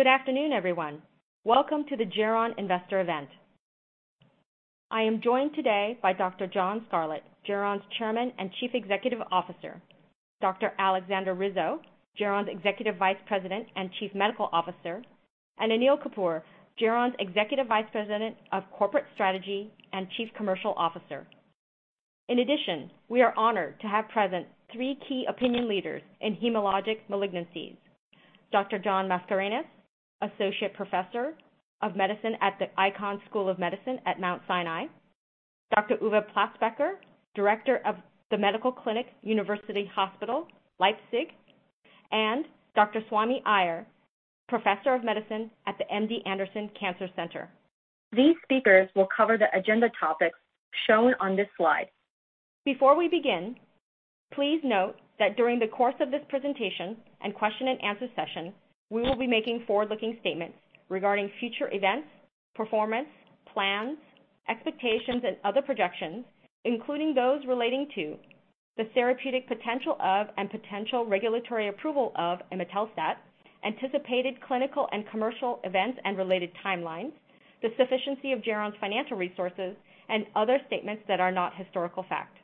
Good afternoon, everyone. Welcome to the Geron Investor event. I am joined today by Dr. John Scarlett, Geron's Chairman and Chief Executive Officer, Dr. Aleksandra Rizo, Geron's Executive Vice President and Chief Medical Officer, and Anil Kapur, Geron's Executive Vice President of Corporate Strategy and Chief Commercial Officer. In addition, we are honored to have present three key opinion leaders in hematologic malignancies. Dr. John Mascarenhas, Associate Professor of Medicine at the Icahn School of Medicine at Mount Sinai, Dr. Uwe Platzbecker, Director of the Medical Clinic, University Hospital Leipzig, and Dr. Srdan Verstovsek, Professor of Medicine at the MD Anderson Cancer Center. These speakers will cover the agenda topics shown on this slide. Before we begin, please note that during the course of this presentation and question and answer session, we will be making forward-looking statements regarding future events, performance, plans, expectations, and other projections, including those relating to the therapeutic potential of and potential regulatory approval of imetelstat, anticipated clinical and commercial events and related timelines, the sufficiency of Geron's financial resources, and other statements that are not historical fact.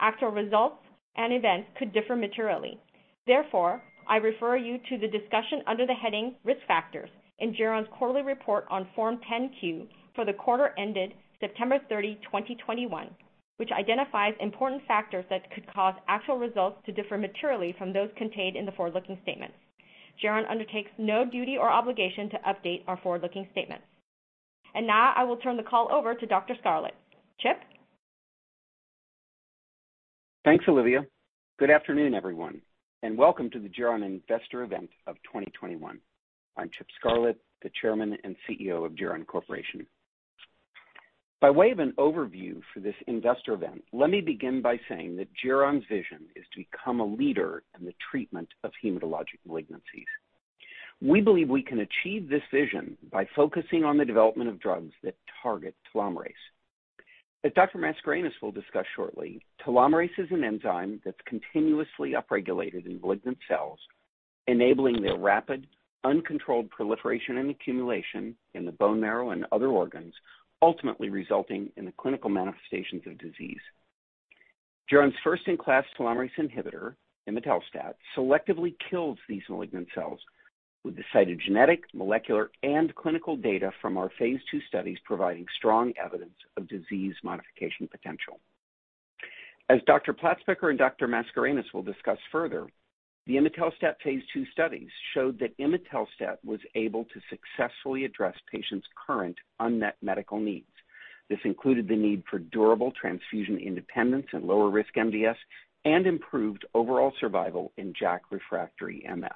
Actual results and events could differ materially. Therefore, I refer you to the discussion under the heading Risk Factors in Geron's quarterly report on Form 10-Q for the quarter ended September 30, 2021, which identifies important factors that could cause actual results to differ materially from those contained in the forward-looking statements. Geron undertakes no duty or obligation to update our forward-looking statements. Now I will turn the call over to Dr. Scarlett. Chip? Thanks, Olivia. Good afternoon, everyone, and welcome to the Geron Investor event of 2021. I'm Chip Scarlett, the Chairman and CEO of Geron Corporation. By way of an overview for this investor event, let me begin by saying that Geron's vision is to become a leader in the treatment of hematologic malignancies. We believe we can achieve this vision by focusing on the development of drugs that target telomerase. As Dr. Mascarenhas will discuss shortly, telomerase is an enzyme that's continuously upregulated in malignant cells, enabling their rapid, uncontrolled proliferation and accumulation in the bone marrow and other organs, ultimately resulting in the clinical manifestations of disease. Geron's first-in-class telomerase inhibitor, Imetelstat, selectively kills these malignant cells with the cytogenetic, molecular, and clinical data from our phase II studies providing strong evidence of disease modification potential. As Dr. Platzbecker and Dr. Mascarenhas will discuss further. The Imetelstat phase II studies showed that Imetelstat was able to successfully address patients' current unmet medical needs. This included the need for durable transfusion independence and lower risk MDS and improved overall survival in JAK refractory MF.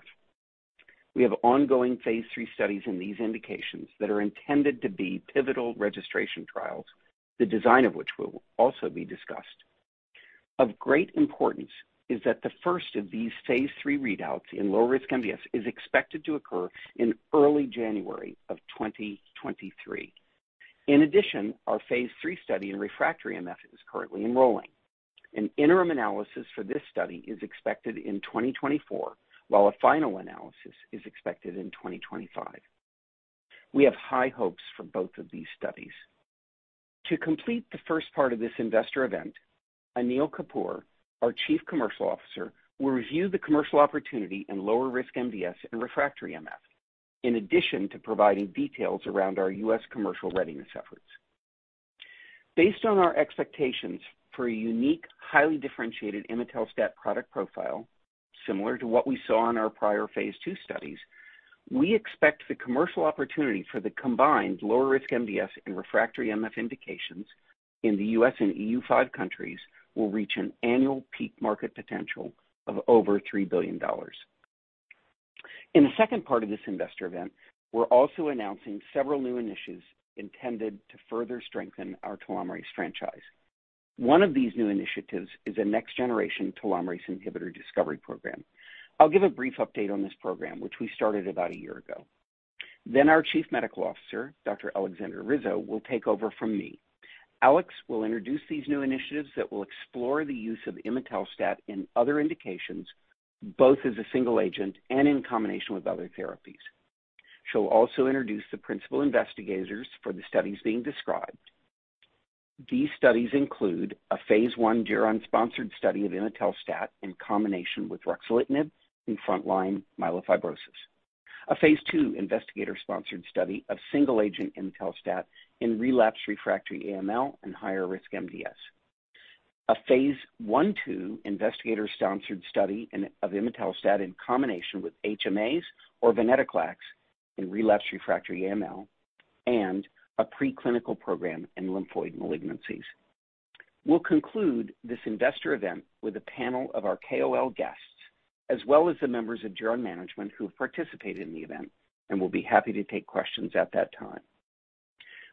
We have ongoing phase III studies in these indications that are intended to be pivotal registration trials, the design of which will also be discussed. Of great importance is that the first of these phase III readouts in low risk MDS is expected to occur in early January 2023. In addition, our phase III study in refractory MF is currently enrolling. An interim analysis for this study is expected in 2024, while a final analysis is expected in 2025. We have high hopes for both of these studies. To complete the first part of this investor event, Anil Kapur, our Chief Commercial Officer, will review the commercial opportunity in lower risk MDS and refractory MF, in addition to providing details around our U.S. commercial readiness efforts. Based on our expectations for a unique, highly differentiated Imetelstat product profile, similar to what we saw in our prior phase II studies, we expect the commercial opportunity for the combined lower risk MDS and refractory MF indications in the U.S. and EU Five countries will reach an annual peak market potential of over $3 billion. In the second part of this investor event, we're also announcing several new initiatives intended to further strengthen our telomerase franchise. One of these new initiatives is a next generation telomerase inhibitor discovery program. I'll give a brief update on this program, which we started about a year ago. Then our Chief Medical Officer, Dr. Aleksandra Rizo will take over from me. Alex will introduce these new initiatives that will explore the use of imetelstat in other indications, both as a single agent and in combination with other therapies. She'll also introduce the principal investigators for the studies being described. These studies include a phase I Geron-sponsored study of imetelstat in combination with ruxolitinib in front-line myelofibrosis, a phase II investigator-sponsored study of single agent imetelstat in relapse refractory AML and higher risk MDS, a phase I/II investigator-sponsored study of imetelstat in combination with HMAs or venetoclax in relapse refractory AML, and a preclinical program in lymphoid malignancies. We'll conclude this investor event with a panel of our KOL guests, as well as the members of Geron management who have participated in the event and will be happy to take questions at that time.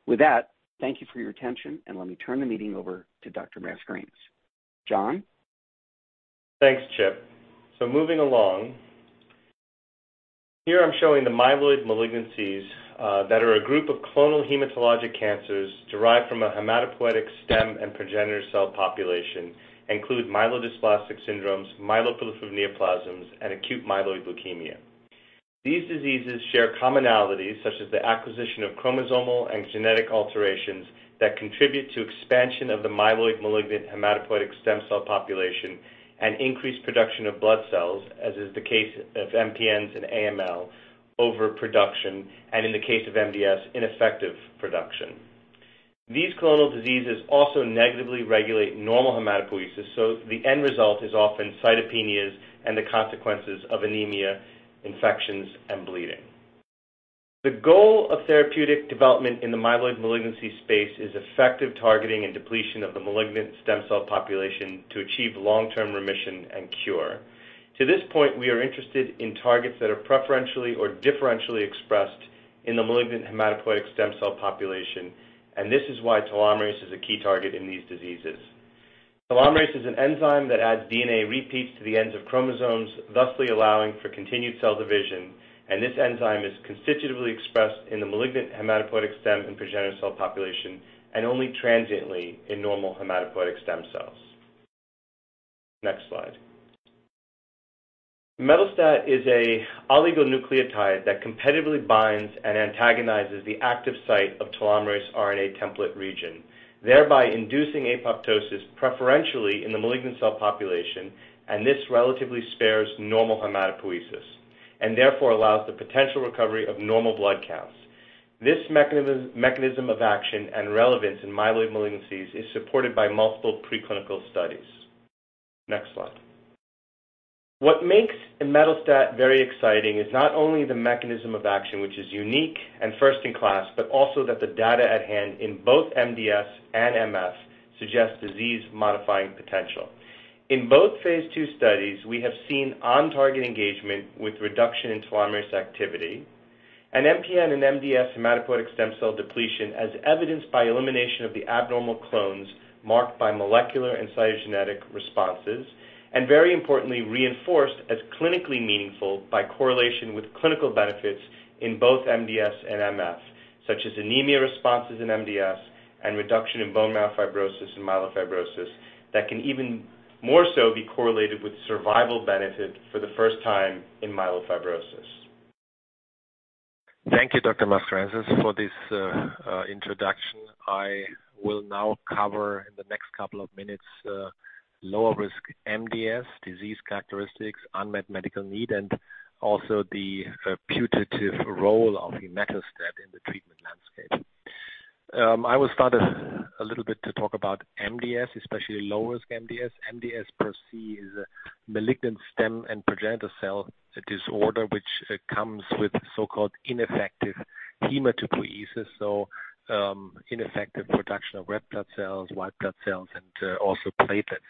With that, thank you for your attention, and let me turn the meeting over to Dr. Mascarenhas. John? Thanks, Chip. Moving along. Here I'm showing the myeloid malignancies that are a group of clonal hematologic cancers derived from a hematopoietic stem and progenitor cell population, include myelodysplastic syndromes, myeloproliferative neoplasms, and acute myeloid leukemia. These diseases share commonalities such as the acquisition of chromosomal and genetic alterations that contribute to expansion of the myeloid malignant hematopoietic stem cell population and increased production of blood cells, as is the case of MPNs and AML overproduction, and in the case of MDS, ineffective production. These clonal diseases also negatively regulate normal hematopoiesis, so the end result is often cytopenias and the consequences of anemia, infections, and bleeding. The goal of therapeutic development in the myeloid malignancy space is effective targeting and depletion of the malignant stem cell population to achieve long-term remission and cure. To this point, we are interested in targets that are preferentially or differentially expressed in the malignant hematopoietic stem cell population, and this is why telomerase is a key target in these diseases. Telomerase is an enzyme that adds DNA repeats to the ends of chromosomes, thusly allowing for continued cell division, and this enzyme is constitutively expressed in the malignant hematopoietic stem and progenitor cell population, and only transiently in normal hematopoietic stem cells. Next slide. Imetelstat is an oligonucleotide that competitively binds and antagonizes the active site of telomerase RNA template region, thereby inducing apoptosis preferentially in the malignant cell population, and this relatively spares normal hematopoiesis, and therefore allows the potential recovery of normal blood counts. This mechanism of action and relevance in myeloid malignancies is supported by multiple preclinical studies. Next slide. What makes Imetelstat very exciting is not only the mechanism of action, which is unique and first in class, but also that the data at hand in both MDS and MF suggest disease-modifying potential. In both phase II studies, we have seen on-target engagement with reduction in telomerase activity, and MPN and MDS hematopoietic stem cell depletion, as evidenced by elimination of the abnormal clones marked by molecular and cytogenetic responses, and very importantly, reinforced as clinically meaningful by correlation with clinical benefits in both MDS and MF, such as anemia responses in MDS and reduction in bone marrow fibrosis and myelofibrosis that can even more so be correlated with survival benefit for the first time in myelofibrosis. Thank you, Dr. Mascarenhas, for this introduction. I will now cover in the next couple of minutes lower risk MDS, disease characteristics, unmet medical need, and also the putative role of Imetelstat in the treatment landscape. I will start a little bit to talk about MDS, especially lower risk MDS. MDS per se is a malignant stem and progenitor cell disorder, which comes with so-called ineffective hematopoiesis, so ineffective production of red blood cells, white blood cells, and also platelets.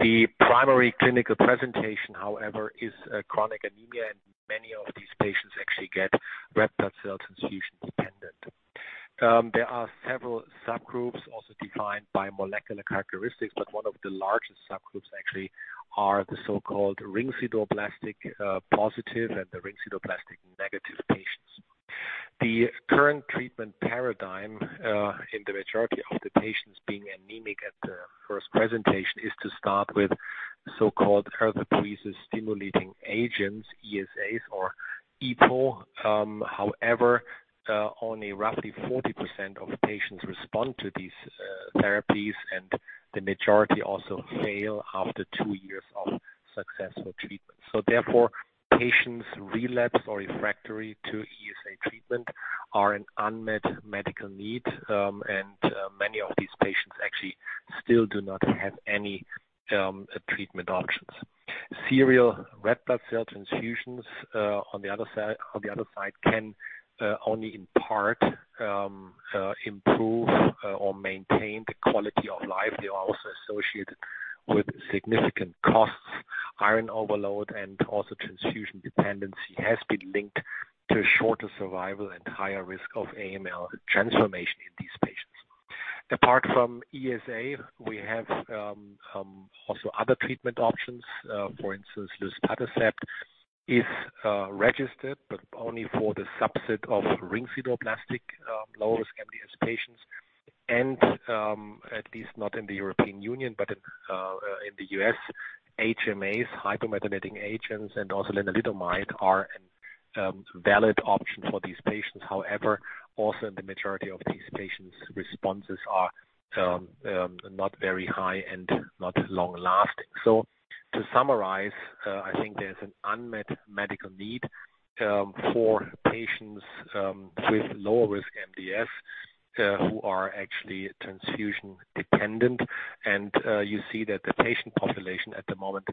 The primary clinical presentation, however, is chronic anemia, and many of these patients actually get red blood cell transfusion dependent. There are several subgroups also defined by molecular characteristics, but one of the largest subgroups actually are the so-called ring sideroblast positive and the ring sideroblast negative patients. The current treatment paradigm, in the majority of the patients being anemic at the first presentation, is to start with so-called erythropoiesis stimulating agents, ESAs or EPO. However, only roughly 40% of patients respond to these, therapies, and the majority also fail after two years of successful treatment. Therefore, patients relapse or refractory to ESA treatment are an unmet medical need, and many of these patients actually still do not have any treatment options. Serial red blood cell transfusions, on the other side, can only in part improve or maintain the quality of life. They are also associated with significant costs. Iron overload and also transfusion dependency has been linked to shorter survival and higher risk of AML transformation in these patients. Apart from ESA, we have also other treatment options. For instance, Luspatercept is registered, but only for the subset of ring sideroblastic low-risk MDS patients and at least not in the European Union, but in the U.S., HMAs, hypomethylating agents, and also lenalidomide are a valid option for these patients. However, also the majority of these patients' responses are not very high and not long-lasting. To summarize, I think there's an unmet medical need for patients with lower risk MDS who are actually transfusion-dependent. You see that the patient population at the moment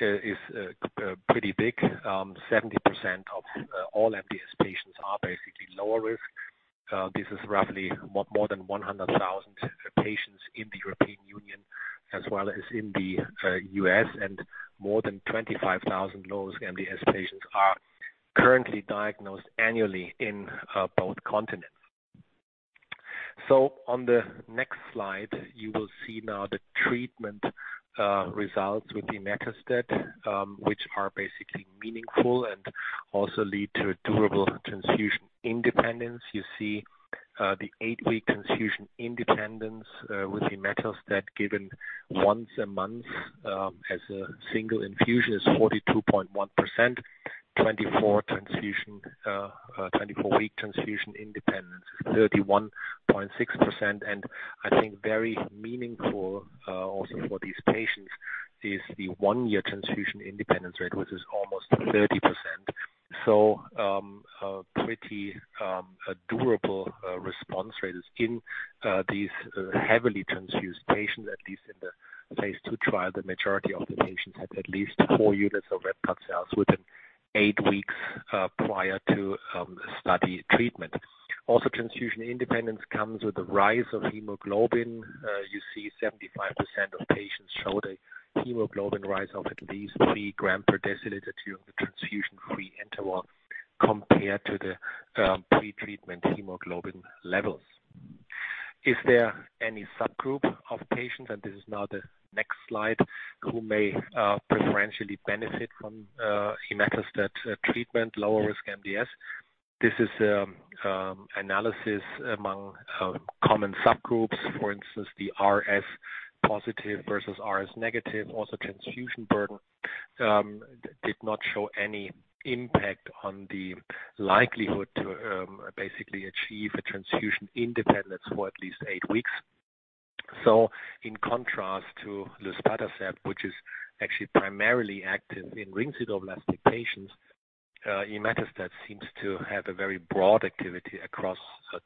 is pretty big. 70% of all MDS patients are basically lower risk. This is roughly more than 100,000 patients in the European Union as well as in the U.S., and more than 25,000 low-risk MDS patients are currently diagnosed annually in both continents. On the next slide, you will see now the treatment results with imetelstat, which are basically meaningful and also lead to a durable transfusion independence. You see the 8-week transfusion independence with imetelstat given once a month as a single infusion is 42.1%, 24-week transfusion independence is 31.6%. I think very meaningful also for these patients is the one year transfusion independence rate, which is almost 30%. Pretty durable response rates in these heavily transfused patients, at least in the phase II trial. The majority of the patients had at least 4 units of red blood cells within eight weeks prior to study treatment. Transfusion independence comes with the rise of hemoglobin. You see 75% of patients show the hemoglobin rise of at least 3 g/dL during the transfusion-free interval compared to the pretreatment hemoglobin levels. Is there any subgroup of patients, and this is now the next slide, who may preferentially benefit from Imetelstat treatment, lower-risk MDS? This is analysis among common subgroups. For instance, the RS positive versus RS negative. Transfusion burden did not show any impact on the likelihood to basically achieve a transfusion independence for at least eight weeks. In contrast to Luspatercept, which is actually primarily active in ring sideroblast patients, imetestat seems to have a very broad activity across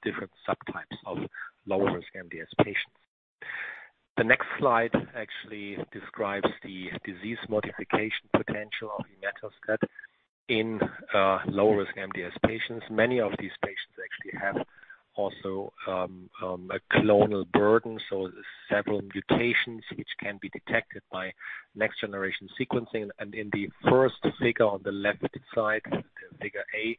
different subtypes of lower risk MDS patients. The next slide actually describes the disease modification potential of imetelstat in low risk MDS patients. Many of these patients actually have also a clonal burden, so several mutations which can be detected by next-generation sequencing. In the first figure on the left side, Figure A,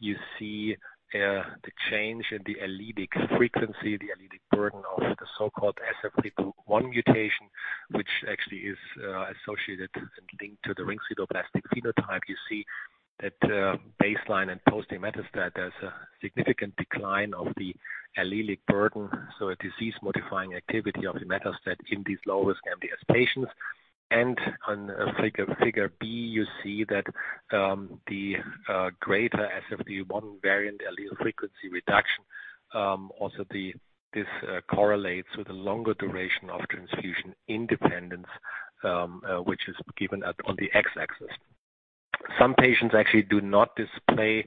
you see the change in the allelic frequency, the allelic burden of the so-called SF3B1 mutation, which actually is associated and linked to the ring sideroblast phenotype. You see that, baseline and post Imetelstat, there's a significant decline of the allelic burden, so a disease-modifying activity of Imetelstat in these low-risk MDS patients. On figure B, you see that the greater SF3B1 variant allele frequency reduction also this correlates with a longer duration of transfusion independence, which is given on the x-axis. Some patients actually do not display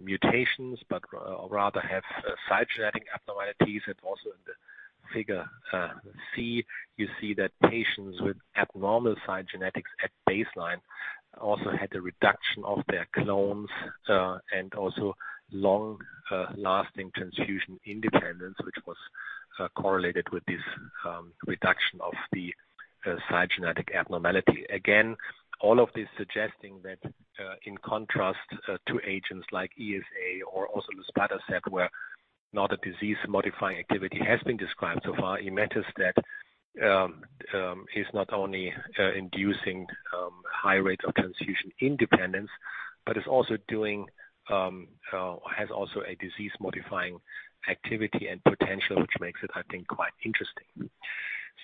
mutations, but rather have cytogenetic abnormalities, and also in figure C, you see that patients with abnormal cytogenetics at baseline also had a reduction of their clones, and also long lasting transfusion independence, which was correlated with this reduction of the cytogenetic abnormality. Again, all of this suggesting that, in contrast, to agents like ESA or also luspatercept, where not a disease-modifying activity has been described so far, Imetelstat is not only inducing high rates of transfusion independence, but also has a disease-modifying activity and potential, which makes it, I think, quite interesting.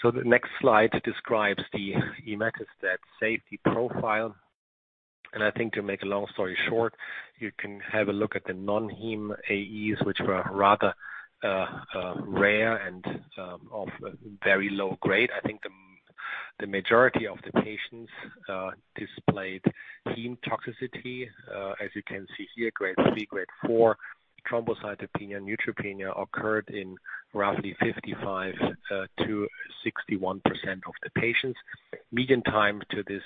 The next slide describes the Imetelstat safety profile. I think to make a long story short, you can have a look at the non-hematologic AEs, which were rather rare and of very low grade. I think the majority of the patients displayed hematologic toxicity, as you can see here, grade 3, grade 4 thrombocytopenia, neutropenia occurred in roughly 55%-61% of the patients. Median time to this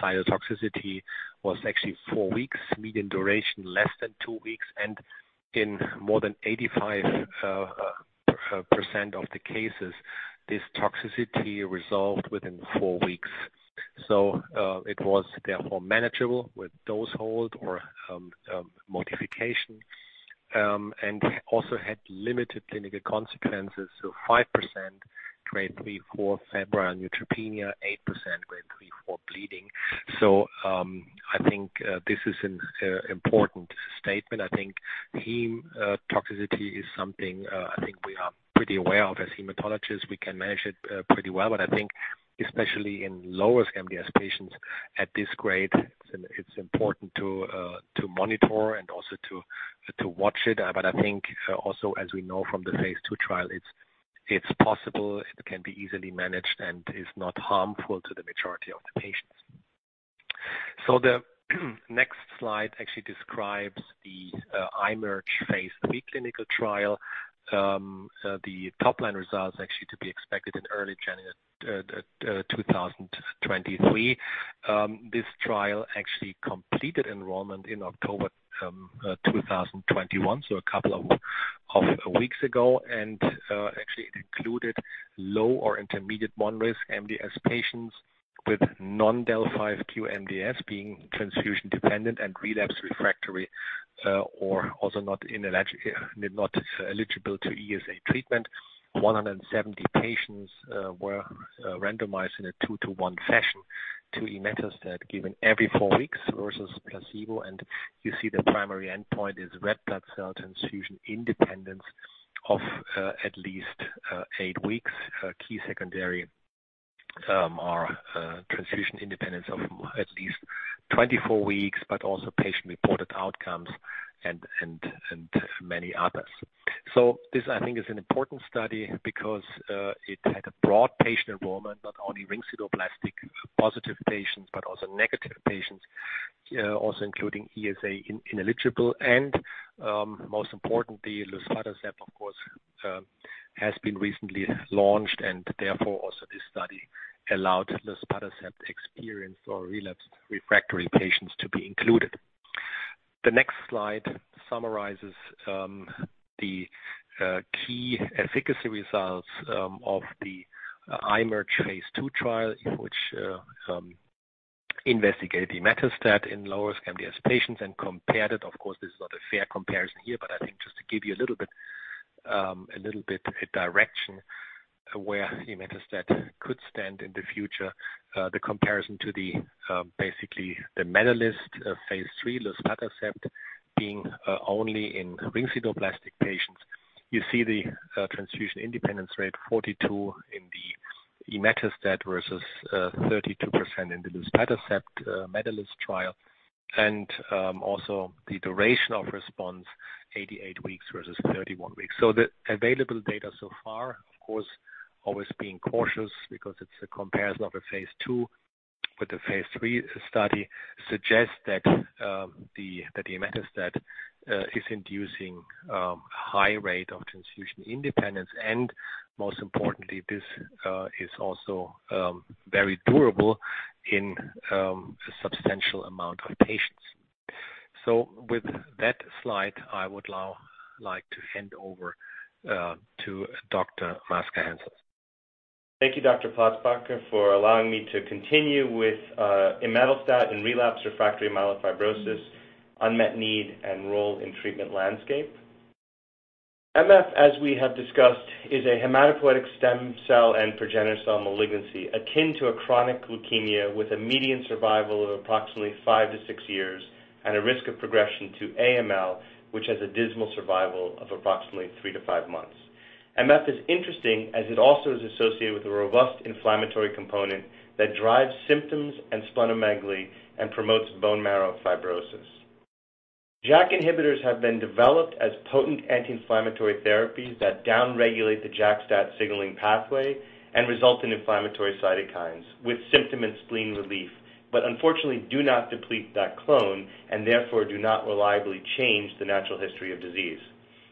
cytotoxicity was actually four weeks, median duration less than two weeks. In more than 85% of the cases, this toxicity resolved within four weeks. It was therefore manageable with dose hold or modification, and also had limited clinical consequences. 5% grade 3/4 febrile neutropenia, 8% grade 3/4 bleeding. I think this is an important statement. I think heme toxicity is something I think we are pretty aware of as hematologists. We can manage it pretty well. I think especially in lower MDS patients at this grade, it's important to monitor and also to watch it. I think also, as we know from the phase II trial, it's possible it can be easily managed and is not harmful to the majority of the patients. The next slide actually describes the IMerge phase III clinical trial. The top-line results are actually to be expected in early January 2023. This trial actually completed enrollment in October 2021, so a couple of months or weeks ago, and actually it included low- or intermediate-1 risk MDS patients with non-del(5q) MDS being transfusion-dependent and relapse/refractory or also not eligible to ESA treatment. 170 patients were randomized in a 2-to-1 fashion to imetelstat given every four weeks versus placebo. You see the primary endpoint is red blood cell transfusion independence of at least eight weeks. Key secondary are transfusion independence of at least 24 weeks, but also patient-reported outcomes and many others. This, I think, is an important study because it had a broad patient enrollment, not only ring sideroblast positive patients, but also negative patients, also including ESA ineligible and, most importantly, luspatercept, of course, has been recently launched and therefore also this study allowed luspatercept experience for relapsed refractory patients to be included. The next slide summarizes the key efficacy results of the IMerge phase II trial in which investigate imetelstat in lower-risk MDS patients and compared it. Of course, this is not a fair comparison here, but I think just to give you a little bit a direction where Imetelstat could stand in the future, the comparison to the basically the MEDALIST phase III Luspatercept being only in ring sideroblastic patients. You see the transfusion independence rate, 42, in the Imetelstat versus 32% in the Luspatercept MEDALIST trial. Also the duration of response, 88 weeks versus 31 weeks. The available data so far, of course, always being cautious because it's a comparison of a phase II with a phase III study, suggests that that Imetelstat is inducing high rate of transfusion independence, and most importantly, this is also very durable in a substantial amount of patients. With that slide, I would now like to hand over to Dr. John Mascarenhas. Thank you, Dr. Platzbecker, for allowing me to continue with imetelstat in relapsed/refractory myelofibrosis, unmet need, and role in treatment landscape. MF, as we have discussed, is a hematopoietic stem cell and progenitor cell malignancy akin to a chronic leukemia with a median survival of approximately five to six years and a risk of progression to AML, which has a dismal survival of approximately three to five months. MF is interesting as it also is associated with a robust inflammatory component that drives symptoms and splenomegaly and promotes bone marrow fibrosis. JAK inhibitors have been developed as potent anti-inflammatory therapies that down-regulate the JAK-STAT signaling pathway and result in inflammatory cytokines with symptom and spleen relief, but unfortunately do not deplete that clone and therefore do not reliably change the natural history of disease.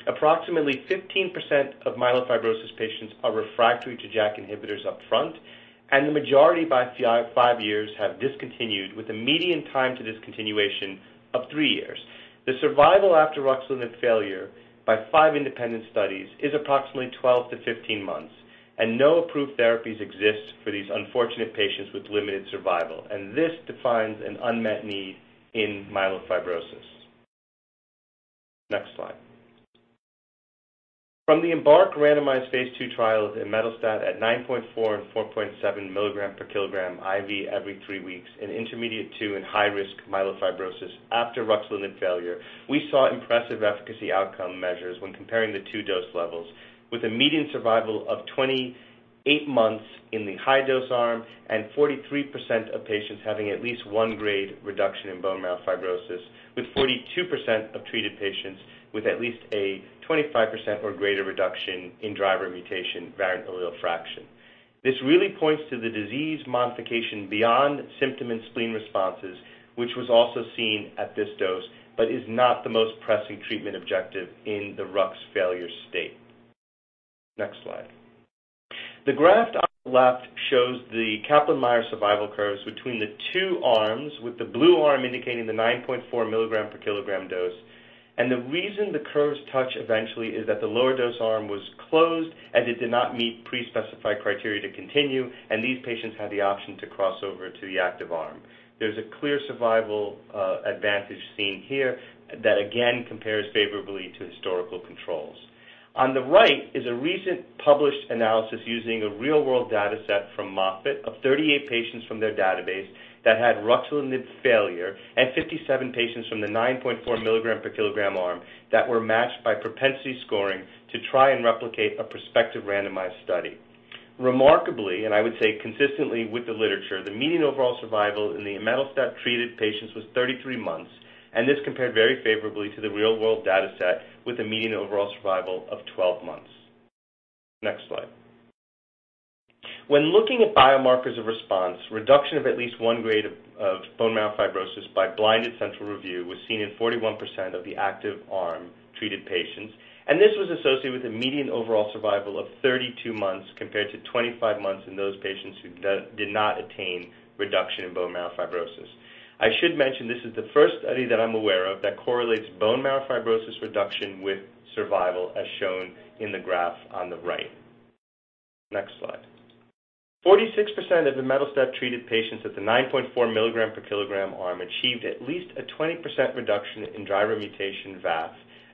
Approximately 15% of myelofibrosis patients are refractory to JAK inhibitors upfront, and the majority by five years have discontinued, with a median time to discontinuation of three years. The survival after ruxolitinib failure by five independent studies is approximately 12 to 15 months, and no approved therapies exist for these unfortunate patients with limited survival. This defines an unmet need in myelofibrosis. Next slide. From the EMBARK randomized phase II trial of imetelstat at 9.4 and 4.7 mg/kg IV every three weeks in intermediate two and high-risk myelofibrosis after ruxolitinib failure, we saw impressive efficacy outcome measures when comparing the two dose levels, with a median survival of 28 months in the high-dose arm and 43% of patients having at least one grade reduction in bone marrow fibrosis, with 42% of treated patients with at least a 25% or greater reduction in driver mutation variant allele fraction. This really points to the disease modification beyond symptom and spleen responses, which was also seen at this dose, but is not the most pressing treatment objective in the rux failure state. Next slide. The graph on the left shows the Kaplan-Meier survival curves between the two arms, with the blue arm indicating the 9.4 mg/kg dose. The reason the curves touch eventually is that the lower dose arm was closed, and it did not meet pre-specified criteria to continue, and these patients had the option to cross over to the active arm. There's a clear survival advantage seen here that again compares favorably to historical controls. On the right is a recent published analysis using a real-world data set from Moffitt of 38 patients from their database that had ruxolitinib failure and 57 patients from the 9.4 mg/kg arm that were matched by propensity scoring to try and replicate a prospective randomized study. Remarkably, I would say consistently with the literature, the median overall survival in the imetelstat-treated patients was 33 months, and this compared very favorably to the real-world data set with a median overall survival of 12 months. Next slide. When looking at biomarkers of response, reduction of at least one grade of bone marrow fibrosis by blinded central review was seen in 41% of the active arm-treated patients, and this was associated with a median overall survival of 32 months compared to 25 months in those patients who did not attain reduction in bone marrow fibrosis. I should mention this is the first study that I'm aware of that correlates bone marrow fibrosis reduction with survival, as shown in the graph on the right. Next slide. 46% of Imetelstat-treated patients at the 9.4 mg/kg arm achieved at least a 20% reduction in driver mutation VAF,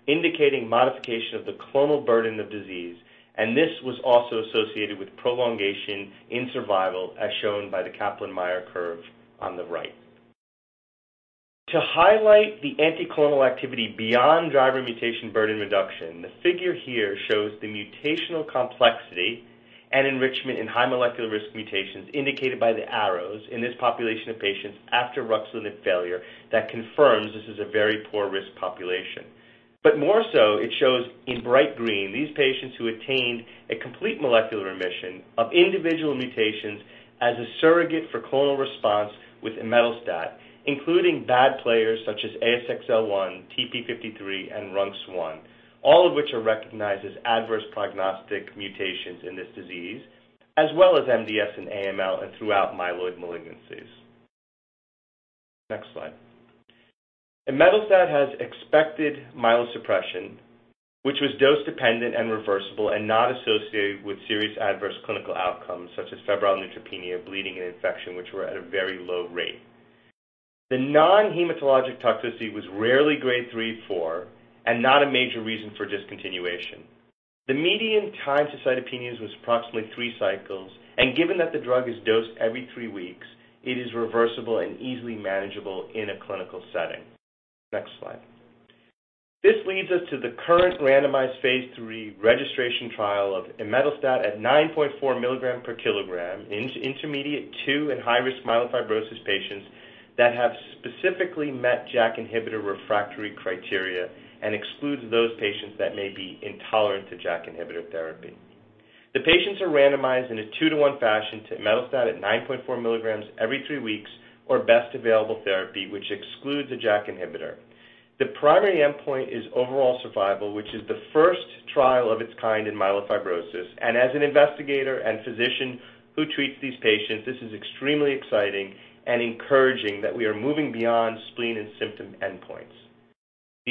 indicating modification of the clonal burden of disease, and this was also associated with prolongation in survival, as shown by the Kaplan-Meier curve on the right. To highlight the anti-clonal activity beyond driver mutation burden reduction, the figure here shows the mutational complexity and enrichment in high molecular risk mutations indicated by the arrows in this population of patients after ruxolitinib failure that confirms this is a very poor-risk population. More so, it shows in bright green these patients who attained a complete molecular remission of individual mutations as a surrogate for clonal response with Imetelstat, including bad players such as ASXL1, TP53, and RUNX1, all of which are recognized as adverse prognostic mutations in this disease, as well as MDS and AML and throughout myeloid malignancies. Next slide. Imetelstat has expected myelosuppression, which was dose-dependent and reversible and not associated with serious adverse clinical outcomes such as febrile neutropenia, bleeding, and infection, which were at a very low rate. The non-hematologic toxicity was rarely grade 3/4 and not a major reason for discontinuation. The median time to cytopenias was approximately three cycles, and given that the drug is dosed every three weeks, it is reversible and easily manageable in a clinical setting. Next slide. This leads us to the current randomized phase III registration trial of Imetelstat at 9.4 mg/kg in intermediate two and high-risk myelofibrosis patients that have specifically met JAK inhibitor refractory criteria and excludes those patients that may be intolerant to JAK inhibitor therapy. The patients are randomized in a two to 1 fashion to Imetelstat at 9.4 mg every three weeks or best available therapy, which excludes a JAK inhibitor. The primary endpoint is overall survival, which is the first trial of its kind in myelofibrosis. As an investigator and physician who treats these patients, this is extremely exciting and encouraging that we are moving beyond spleen and symptom endpoints.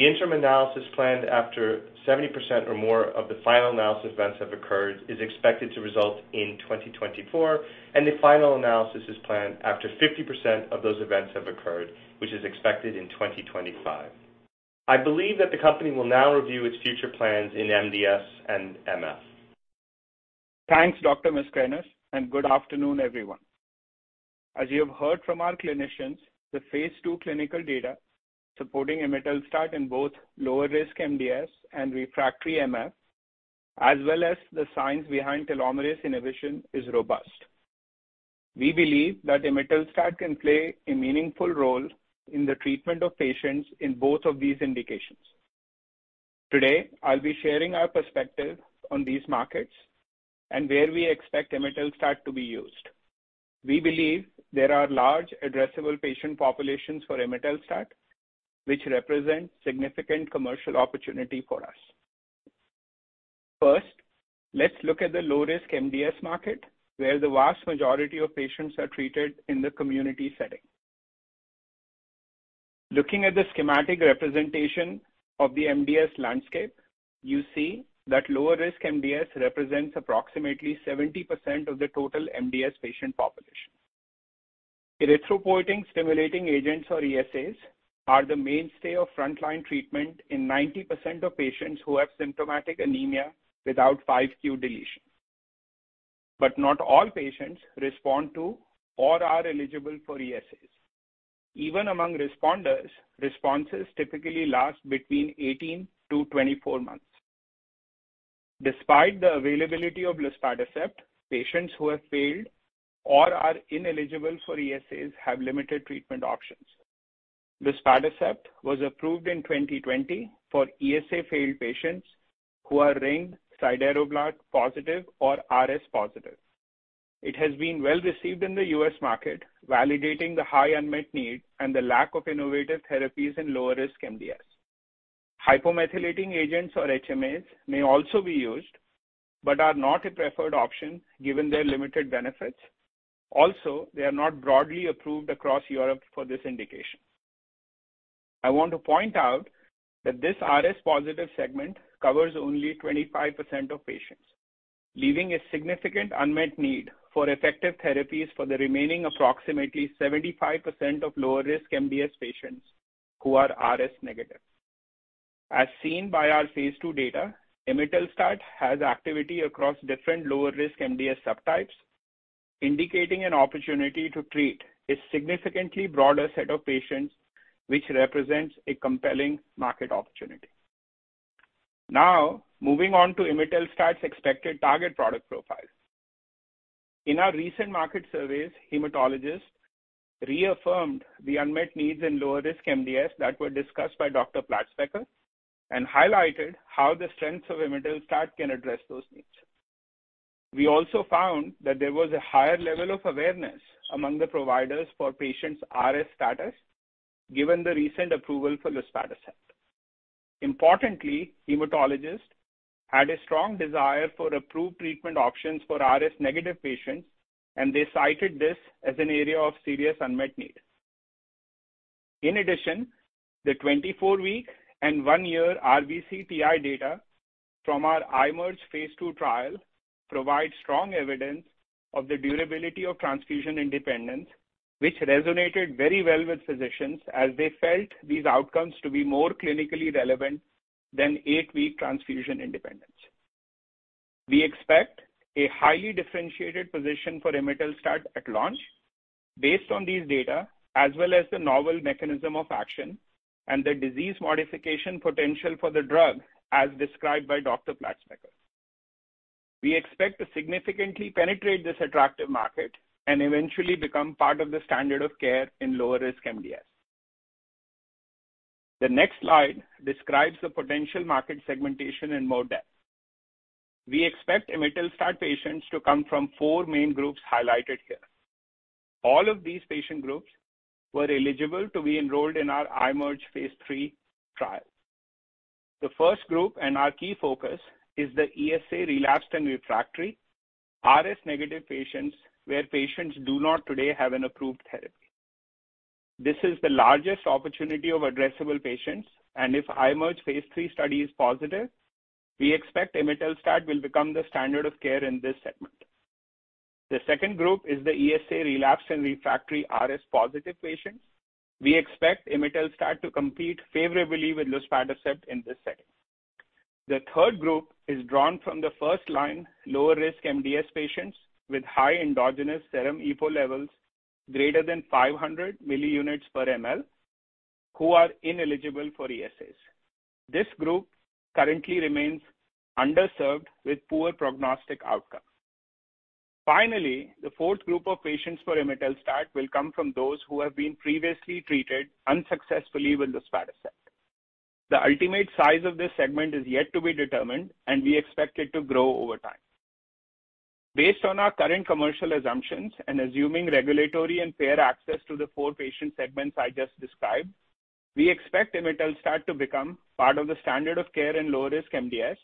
The interim analysis planned after 70% or more of the final analysis events have occurred is expected to result in 2024, and the final analysis is planned after 50% of those events have occurred, which is expected in 2025. I believe that the company will now review its future plans in MDS and MF. Thanks, Dr. Mascarenhas, and good afternoon, everyone. As you have heard from our clinicians, the phase II clinical data supporting Imetelstat in both lower-risk MDS and refractory MF, as well as the science behind telomerase inhibition, is robust. We believe that Imetelstat can play a meaningful role in the treatment of patients in both of these indications. Today, I'll be sharing our perspective on these markets and where we expect Imetelstat to be used. We believe there are large addressable patient populations for Imetelstat, which represent significant commercial opportunity for us. First, let's look at the low-risk MDS market, where the vast majority of patients are treated in the community setting. Looking at the schematic representation of the MDS landscape, you see that lower-risk MDS represents approximately 70% of the total MDS patient population. Erythropoietin-stimulating agents, or ESAs, are the mainstay of frontline treatment in 90% of patients who have symptomatic anemia without 5q deletion. Not all patients respond to or are eligible for ESAs. Even among responders, responses typically last between 18 to 24 months. Despite the availability of luspatercept, patients who have failed or are ineligible for ESAs have limited treatment options. Luspatercept was approved in 2020 for ESA-failed patients who are ring sideroblast positive or RS positive. It has been well-received in the U.S. market, validating the high unmet need and the lack of innovative therapies in lower-risk MDS. Hypomethylating agents, or HMAs, may also be used but are not a preferred option given their limited benefits. Also, they are not broadly approved across Europe for this indication. I want to point out that this RS-positive segment covers only 25% of patients, leaving a significant unmet need for effective therapies for the remaining approximately 75% of lower-risk MDS patients who are RS-negative. As seen by our phase II data, imetelstat has activity across different lower-risk MDS subtypes, indicating an opportunity to treat a significantly broader set of patients, which represents a compelling market opportunity. Now, moving on to imetelstat's expected target product profile. In our recent market surveys, hematologists reaffirmed the unmet needs in lower-risk MDS that were discussed by Dr. Platzbecker and highlighted how the strengths of imetelstat can address those needs. We also found that there was a higher level of awareness among the providers for patients' RS status, given the recent approval for luspatercept. Importantly, hematologists had a strong desire for approved treatment options for RS-negative patients, and they cited this as an area of serious unmet need. In addition, the 24-week and one year RBC TI data from our IMerge phase II trial provides strong evidence of the durability of transfusion independence, which resonated very well with physicians as they felt these outcomes to be more clinically relevant than 8-week transfusion independence. We expect a highly differentiated position for imetelstat at launch based on these data, as well as the novel mechanism of action and the disease modification potential for the drug as described by Dr. Platzbecker. We expect to significantly penetrate this attractive market and eventually become part of the standard of care in lower-risk MDS. The next slide describes the potential market segmentation in more depth. We expect imetelstat patients to come from four main groups highlighted here. All of these patient groups were eligible to be enrolled in our IMerge phase III trial. The first group, and our key focus, is the ESA relapsed and refractory RS negative patients, where patients do not today have an approved therapy. This is the largest opportunity of addressable patients, and if IMerge phase III study is positive, we expect Imetelstat will become the standard of care in this segment. The second group is the ESA relapsed and refractory RS positive patients. We expect Imetelstat to compete favorably with Luspatercept in this setting. The third group is drawn from the first-line lower-risk MDS patients with high endogenous serum EPO levels greater than 500 milliunits per mL, who are ineligible for ESAs. This group currently remains underserved with poor prognostic outcomes. Finally, the fourth group of patients for Imetelstat will come from those who have been previously treated unsuccessfully with Luspatercept. The ultimate size of this segment is yet to be determined, and we expect it to grow over time. Based on our current commercial assumptions and assuming regulatory and payer access to the four patient segments I just described, we expect Imetelstat to become part of the standard of care in lower risk MDS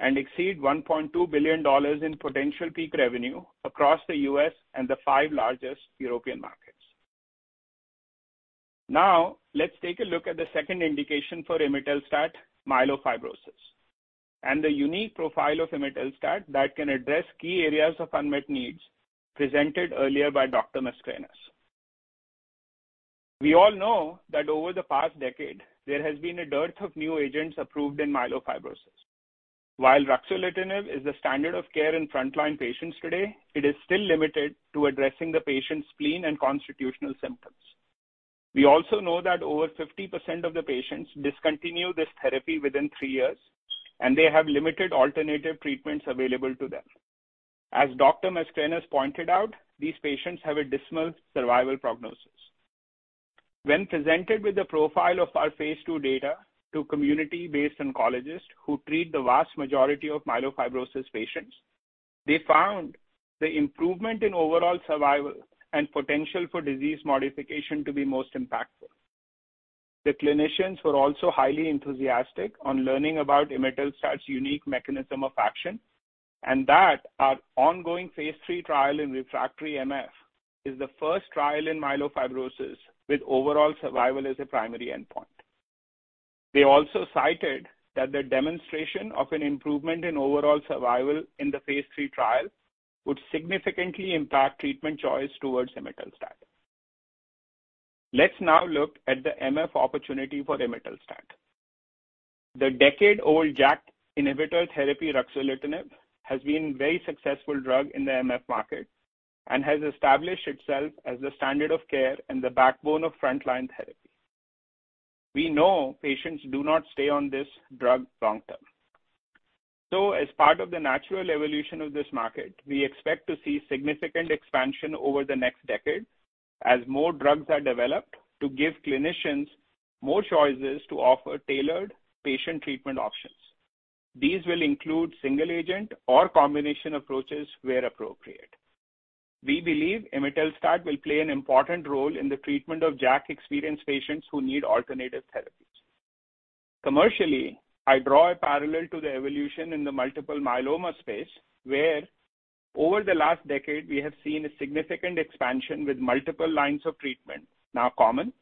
and exceed $1.2 billion in potential peak revenue across the U.S. and the five largest European markets. Now let's take a look at the second indication for Imetelstat, myelofibrosis and the unique profile of Imetelstat that can address key areas of unmet needs presented earlier by Dr. Mascarenhas. We all know that over the past decade, there has been a dearth of new agents approved in myelofibrosis. While ruxolitinib is the standard of care in frontline patients today, it is still limited to addressing the patient's spleen and constitutional symptoms. We also know that over 50% of the patients discontinue this therapy within three years, and they have limited alternative treatments available to them. As Dr. Mascarenhas pointed out, these patients have a dismal survival prognosis. When presented with the profile of our phase II data to community-based oncologists who treat the vast majority of myelofibrosis patients, they found the improvement in overall survival and potential for disease modification to be most impactful. The clinicians were also highly enthusiastic on learning about imetelstat's unique mechanism of action, and that our ongoing phase III trial in refractory MF is the first trial in myelofibrosis with overall survival as a primary endpoint. They also cited that the demonstration of an improvement in overall survival in the phase III trial would significantly impact treatment choice towards imetelstat. Let's now look at the MF opportunity for imetelstat. The decade-old JAK inhibitor therapy, ruxolitinib, has been very successful drug in the MF market and has established itself as the standard of care and the backbone of frontline therapy. We know patients do not stay on this drug long term. As part of the natural evolution of this market, we expect to see significant expansion over the next decade as more drugs are developed to give clinicians more choices to offer tailored patient treatment options. These will include single agent or combination approaches where appropriate. We believe imetelstat will play an important role in the treatment of JAK-experienced patients who need alternative therapies. Commercially, I draw a parallel to the evolution in the multiple myeloma space, where over the last decade we have seen a significant expansion with multiple lines of treatment now common,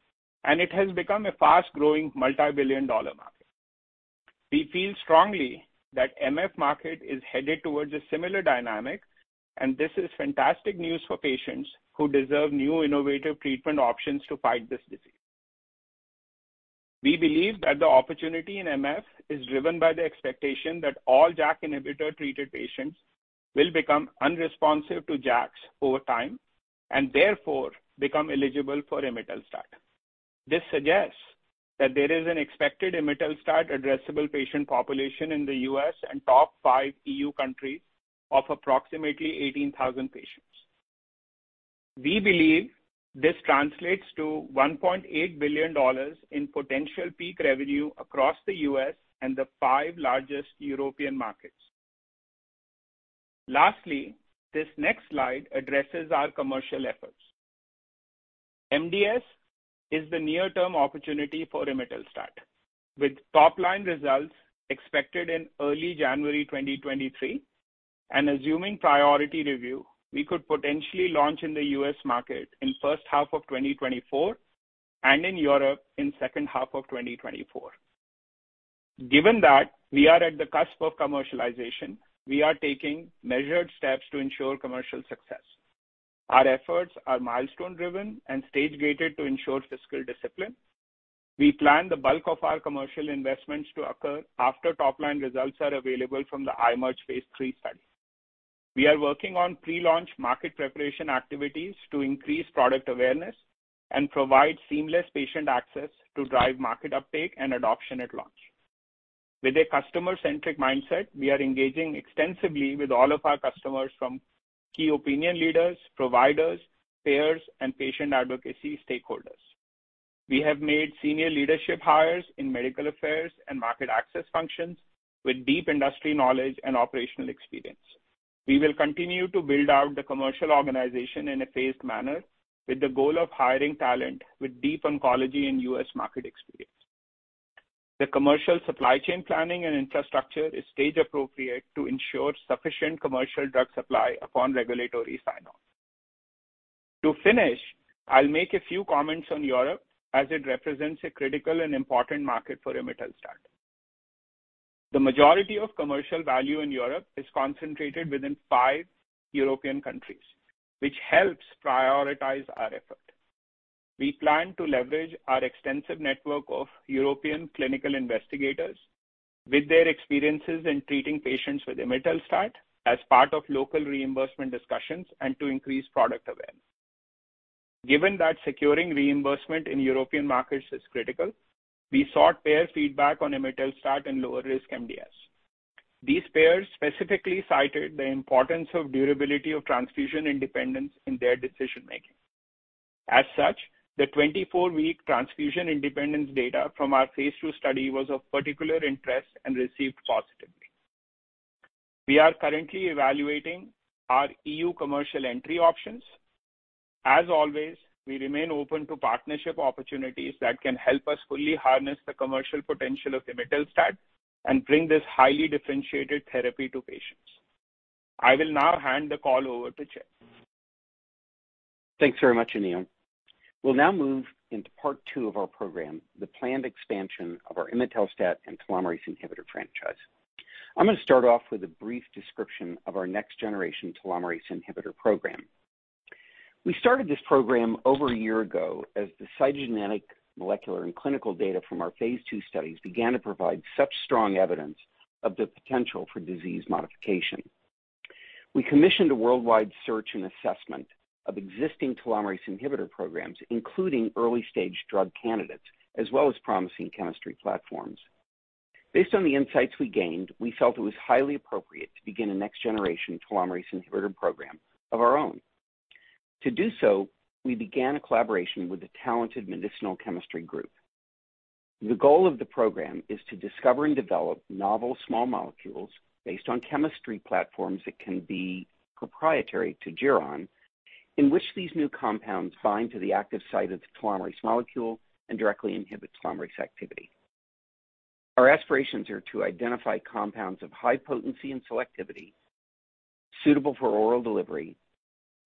and it has become a fast growing multibillion-dollar market. We feel strongly that MF market is headed towards a similar dynamic, and this is fantastic news for patients who deserve new innovative treatment options to fight this disease. We believe that the opportunity in MF is driven by the expectation that all JAK inhibitor-treated patients will become unresponsive to JAKs over time and therefore become eligible for Imetelstat. This suggests that there is an expected Imetelstat addressable patient population in the U.S. and top five EU countries of approximately 18,000 patients. We believe this translates to $1.8 billion in potential peak revenue across the U.S. and the five largest European markets. Lastly, this next slide addresses our commercial efforts. MDS is the near-term opportunity for Imetelstat, with top-line results expected in early January 2023. Assuming priority review, we could potentially launch in the U.S. market in H1 of 2024 and in Europe in H2 of 2024. Given that we are at the cusp of commercialization, we are taking measured steps to ensure commercial success. Our efforts are milestone-driven and stage-gated to ensure fiscal discipline. We plan the bulk of our commercial investments to occur after top-line results are available from the IMerge phase III study. We are working on pre-launch market preparation activities to increase product awareness and provide seamless patient access to drive market uptake and adoption at launch. With a customer-centric mindset, we are engaging extensively with all of our customers, from key opinion leaders, providers, payers, and patient advocacy stakeholders. We have made senior leadership hires in medical affairs and market access functions with deep industry knowledge and operational experience. We will continue to build out the commercial organization in a phased manner with the goal of hiring talent with deep oncology and U.S. market experience. The commercial supply chain planning and infrastructure is stage-appropriate to ensure sufficient commercial drug supply upon regulatory sign-off. To finish, I'll make a few comments on Europe as it represents a critical and important market for Imetelstat. The majority of commercial value in Europe is concentrated within five European countries, which helps prioritize our effort. We plan to leverage our extensive network of European clinical investigators with their experiences in treating patients with Imetelstat as part of local reimbursement discussions and to increase product awareness. Given that securing reimbursement in European markets is critical, we sought payer feedback on Imetelstat in lower-risk MDS. These payers specifically cited the importance of durability of transfusion independence in their decision-making. As such, the 24-week transfusion independence data from our phase II study was of particular interest and received positively. We are currently evaluating our EU commercial entry options. As always, we remain open to partnership opportunities that can help us fully harness the commercial potential of Imetelstat and bring this highly differentiated therapy to patients. I will now hand the call over to Chip. Thanks very much, Anil. We'll now move into part two of our program, the planned expansion of our Imetelstat and telomerase inhibitor franchise. I'm gonna start off with a brief description of our next-generation telomerase inhibitor program. We started this program over a year ago as the cytogenetic, molecular, and clinical data from our phase II studies began to provide such strong evidence of the potential for disease modification. We commissioned a worldwide search and assessment of existing telomerase inhibitor programs, including early-stage drug candidates, as well as promising chemistry platforms. Based on the insights we gained, we felt it was highly appropriate to begin a next-generation telomerase inhibitor program of our own. To do so, we began a collaboration with a talented medicinal chemistry group. The goal of the program is to discover and develop novel small molecules based on chemistry platforms that can be proprietary to Geron, in which these new compounds bind to the active site of the telomerase molecule and directly inhibit telomerase activity. Our aspirations are to identify compounds of high potency and selectivity suitable for oral delivery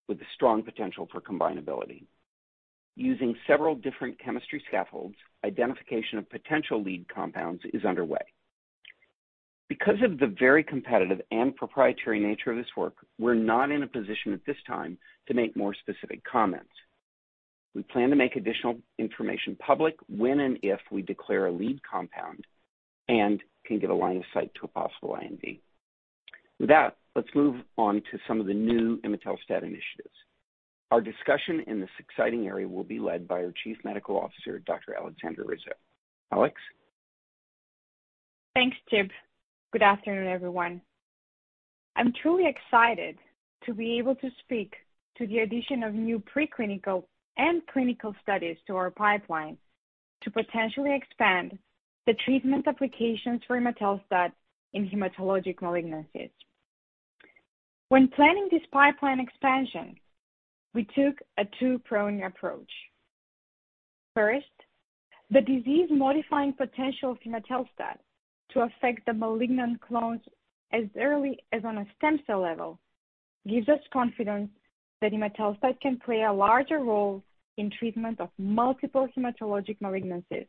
with a strong potential for combinability. Using several different chemistry scaffolds, identification of potential lead compounds is underway. Because of the very competitive and proprietary nature of this work, we're not in a position at this time to make more specific comments. We plan to make additional information public when and if we declare a lead compound and can get a line of sight to a possible IND. With that, let's move on to some of the new Imetelstat initiatives. Our discussion in this exciting area will be led by our Chief Medical Officer, Dr. Aleksandra Rizo. Alex? Thanks, Chip. Good afternoon, everyone. I'm truly excited to be able to speak to the addition of new preclinical and clinical studies to our pipeline to potentially expand the treatment applications for Imetelstat in hematologic malignancies. When planning this pipeline expansion, we took a two-prong approach. First, the disease-modifying potential of Imetelstat to affect the malignant clones as early as on a stem cell level gives us confidence that Imetelstat can play a larger role in treatment of multiple hematologic malignancies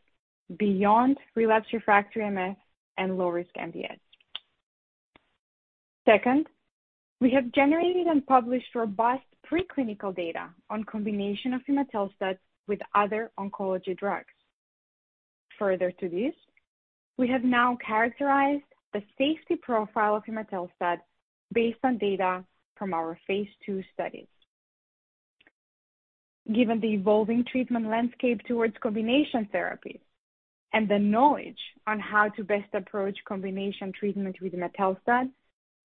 beyond relapsed refractory MDS and low-risk MDS. Second, we have generated and published robust preclinical data on combination of Imetelstat with other oncology drugs. Further to this, we have now characterized the safety profile of Imetelstat based on data from our phase II studies. Given the evolving treatment landscape towards combination therapies and the knowledge on how to best approach combination treatment with Imetelstat,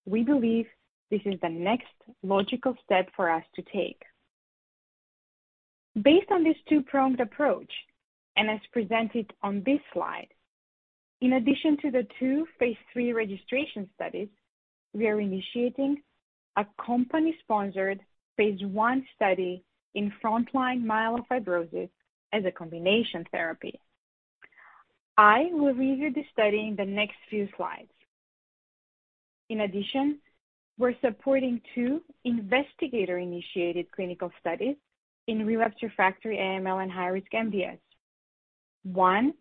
we believe this is the next logical step for us to take. Based on this two-pronged approach, and as presented on this slide, in addition to the two phase III registration studies, we are initiating a company-sponsored phase I study in frontline myelofibrosis as a combination therapy. I will review the study in the next few slides. In addition, we're supporting two investigator-initiated clinical studies in relapsed/refractory AML and high-risk MDS. One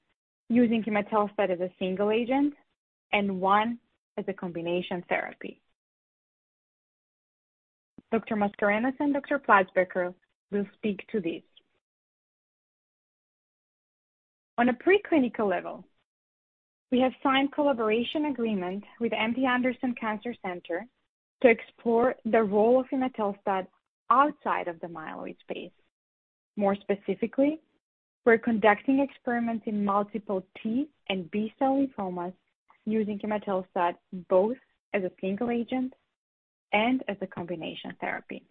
using Imetelstat as a single agent and one as a combination therapy. Dr. Mascarenhas and Dr. Platzbecker will speak to these. On a preclinical level, we have signed collaboration agreement with MD Anderson Cancer Center to explore the role of Imetelstat outside of the myeloid space. More specifically, we're conducting experiments in multiple T and B-cell lymphomas using Imetelstat, both as a single agent and as a combination therapy.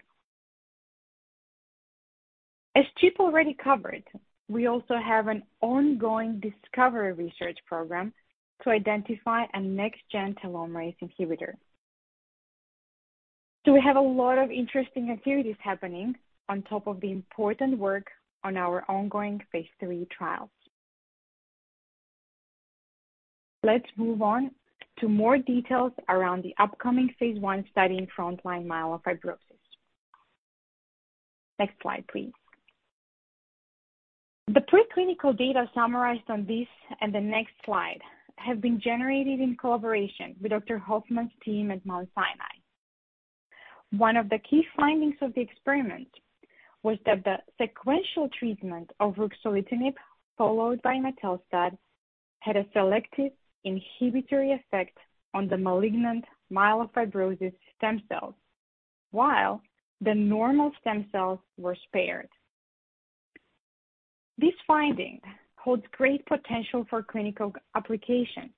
As Chip already covered, we also have an ongoing discovery research program to identify a next-gen telomerase inhibitor. We have a lot of interesting activities happening on top of the important work on our ongoing phase III trial. Let's move on to more details around the upcoming phase I study in frontline myelofibrosis. Next slide, please. The preclinical data summarized on this and the next slide have been generated in collaboration with Dr. Hoffman's team at Mount Sinai. One of the key findings of the experiment was that the sequential treatment of Ruxolitinib, followed by Imetelstat, had a selective inhibitory effect on the malignant myelofibrosis stem cells while the normal stem cells were spared. This finding holds great potential for clinical application,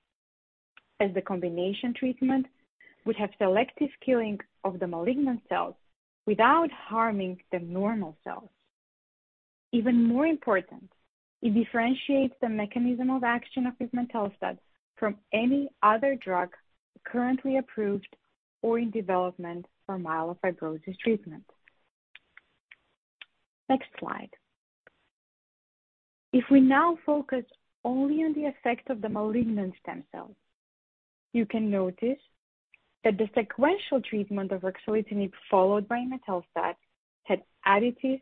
as the combination treatment would have selective killing of the malignant cells without harming the normal cells. Even more important, it differentiates the mechanism of action of Imetelstat from any other drug currently approved or in development for myelofibrosis treatment. Next slide. If we now focus only on the effect of the malignant stem cells, you can notice that the sequential treatment of Ruxolitinib followed by Imetelstat had additive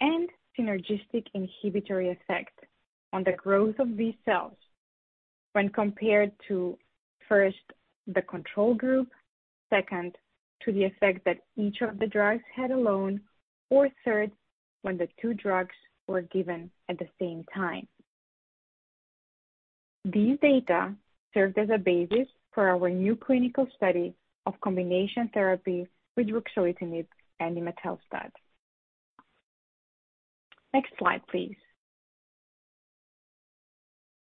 and synergistic inhibitory effect on the growth of these cells when compared to, first, the control group, second, to the effect that each of the drugs had alone, or third, when the two drugs were given at the same time. These data served as a basis for our new clinical study of combination therapy with Ruxolitinib and Imetelstat. Next slide, please.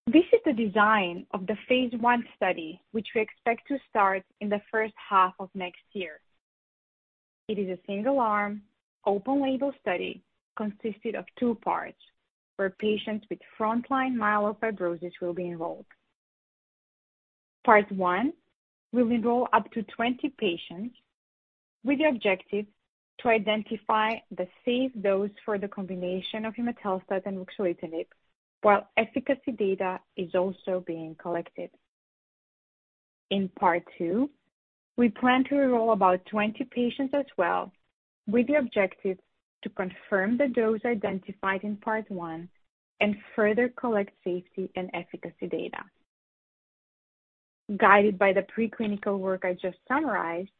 This is the design of the phase I study, which we expect to start in the H1 of next year. It is a single-arm, open label study consisted of two parts, where patients with frontline myelofibrosis will be enrolled. Part one will enroll up to 20 patients with the objective to identify the safe dose for the combination of Imetelstat and Ruxolitinib, while efficacy data is also being collected. In part two, we plan to enroll about 20 patients as well, with the objective to confirm the dose identified in part one and further collect safety and efficacy data. Guided by the preclinical work I just summarized,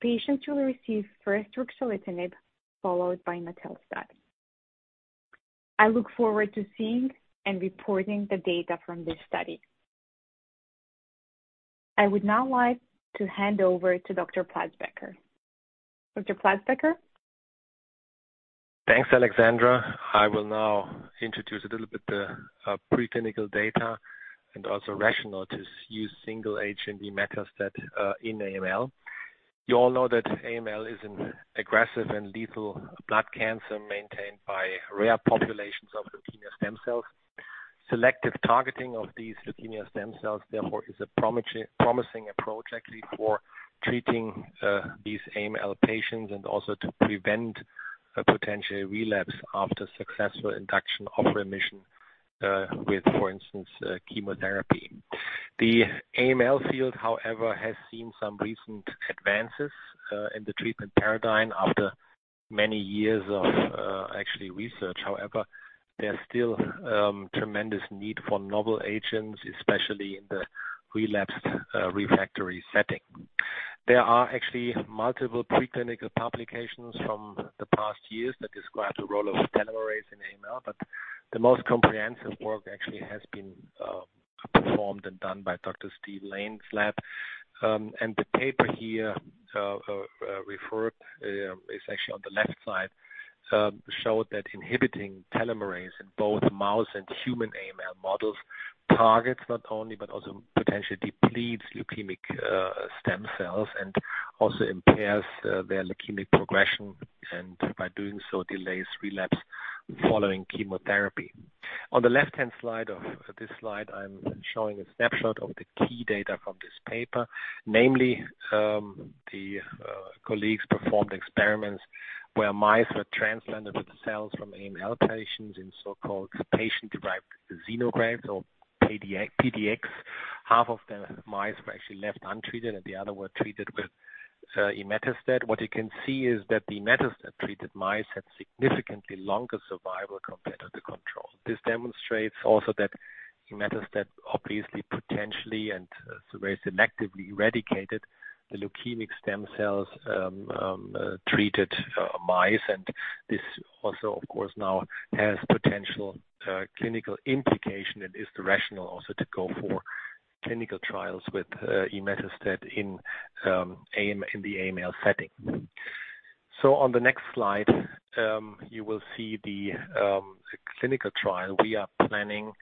patients will receive first Ruxolitinib followed by Imetelstat. I look forward to seeing and reporting the data from this study. I would now like to hand over to Dr. Platzbecker. Dr. Platzbecker. Thanks, Alexandra. I will now introduce a little bit the preclinical data and also rationale to use single agent imetelstat in AML. You all know that AML is an aggressive and lethal blood cancer maintained by rare populations of leukemia stem cells. Selective targeting of these leukemia stem cells, therefore, is a promising approach actually for treating these AML patients and also to prevent a potential relapse after successful induction of remission with, for instance, chemotherapy. The AML field, however, has seen some recent advances in the treatment paradigm after many years of actually research. However, there's still tremendous need for novel agents, especially in the relapsed refractory setting. There are actually multiple preclinical publications from the past years that describe the role of telomerase in AML, but the most comprehensive work actually has been performed and done by Dr. Steven Lane's lab. The paper here is actually on the left side showed that inhibiting telomerase in both mouse and human AML models targets not only, but also potentially depletes leukemic stem cells and also impairs their leukemic progression, and by doing so, delays relapse following chemotherapy. On the left-hand side of this slide, I'm showing a snapshot of the key data from this paper. Namely, colleagues performed experiments where mice were transplanted with cells from AML patients in so-called patient-derived xenografts or PDX. Half of the mice were actually left untreated, and the others were treated with Imetelstat. What you can see is that the Imetelstat-treated mice had significantly longer survival compared to the control. This demonstrates also that imetelstat obviously potentially and very selectively eradicated the leukemic stem cells treated mice. This also, of course, now has potential clinical implication and is the rationale also to go for clinical trials with imetelstat in the AML setting. On the next slide, you will see the clinical trial we are planning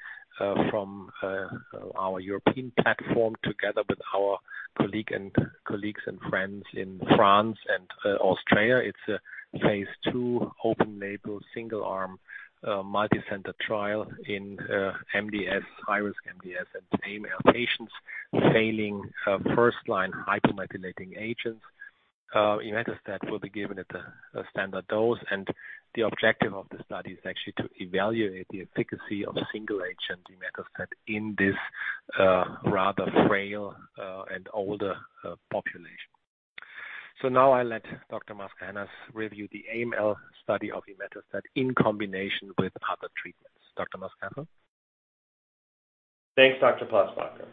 from our European platform together with our colleagues and friends in France and Australia. It's a phase II open label, single arm, multicenter trial in MDS, high-risk MDS and AML patients failing first-line hypomethylating agents. Imetelstat will be given at a standard dose, and the objective of the study is actually to evaluate the efficacy of single-agent imetelstat in this rather frail and older population. Now I let Dr. Mascarenhas review the AML study of Imetelstat in combination with other treatments. Dr. Mascarenhas? Thanks, Dr. Platzbecker.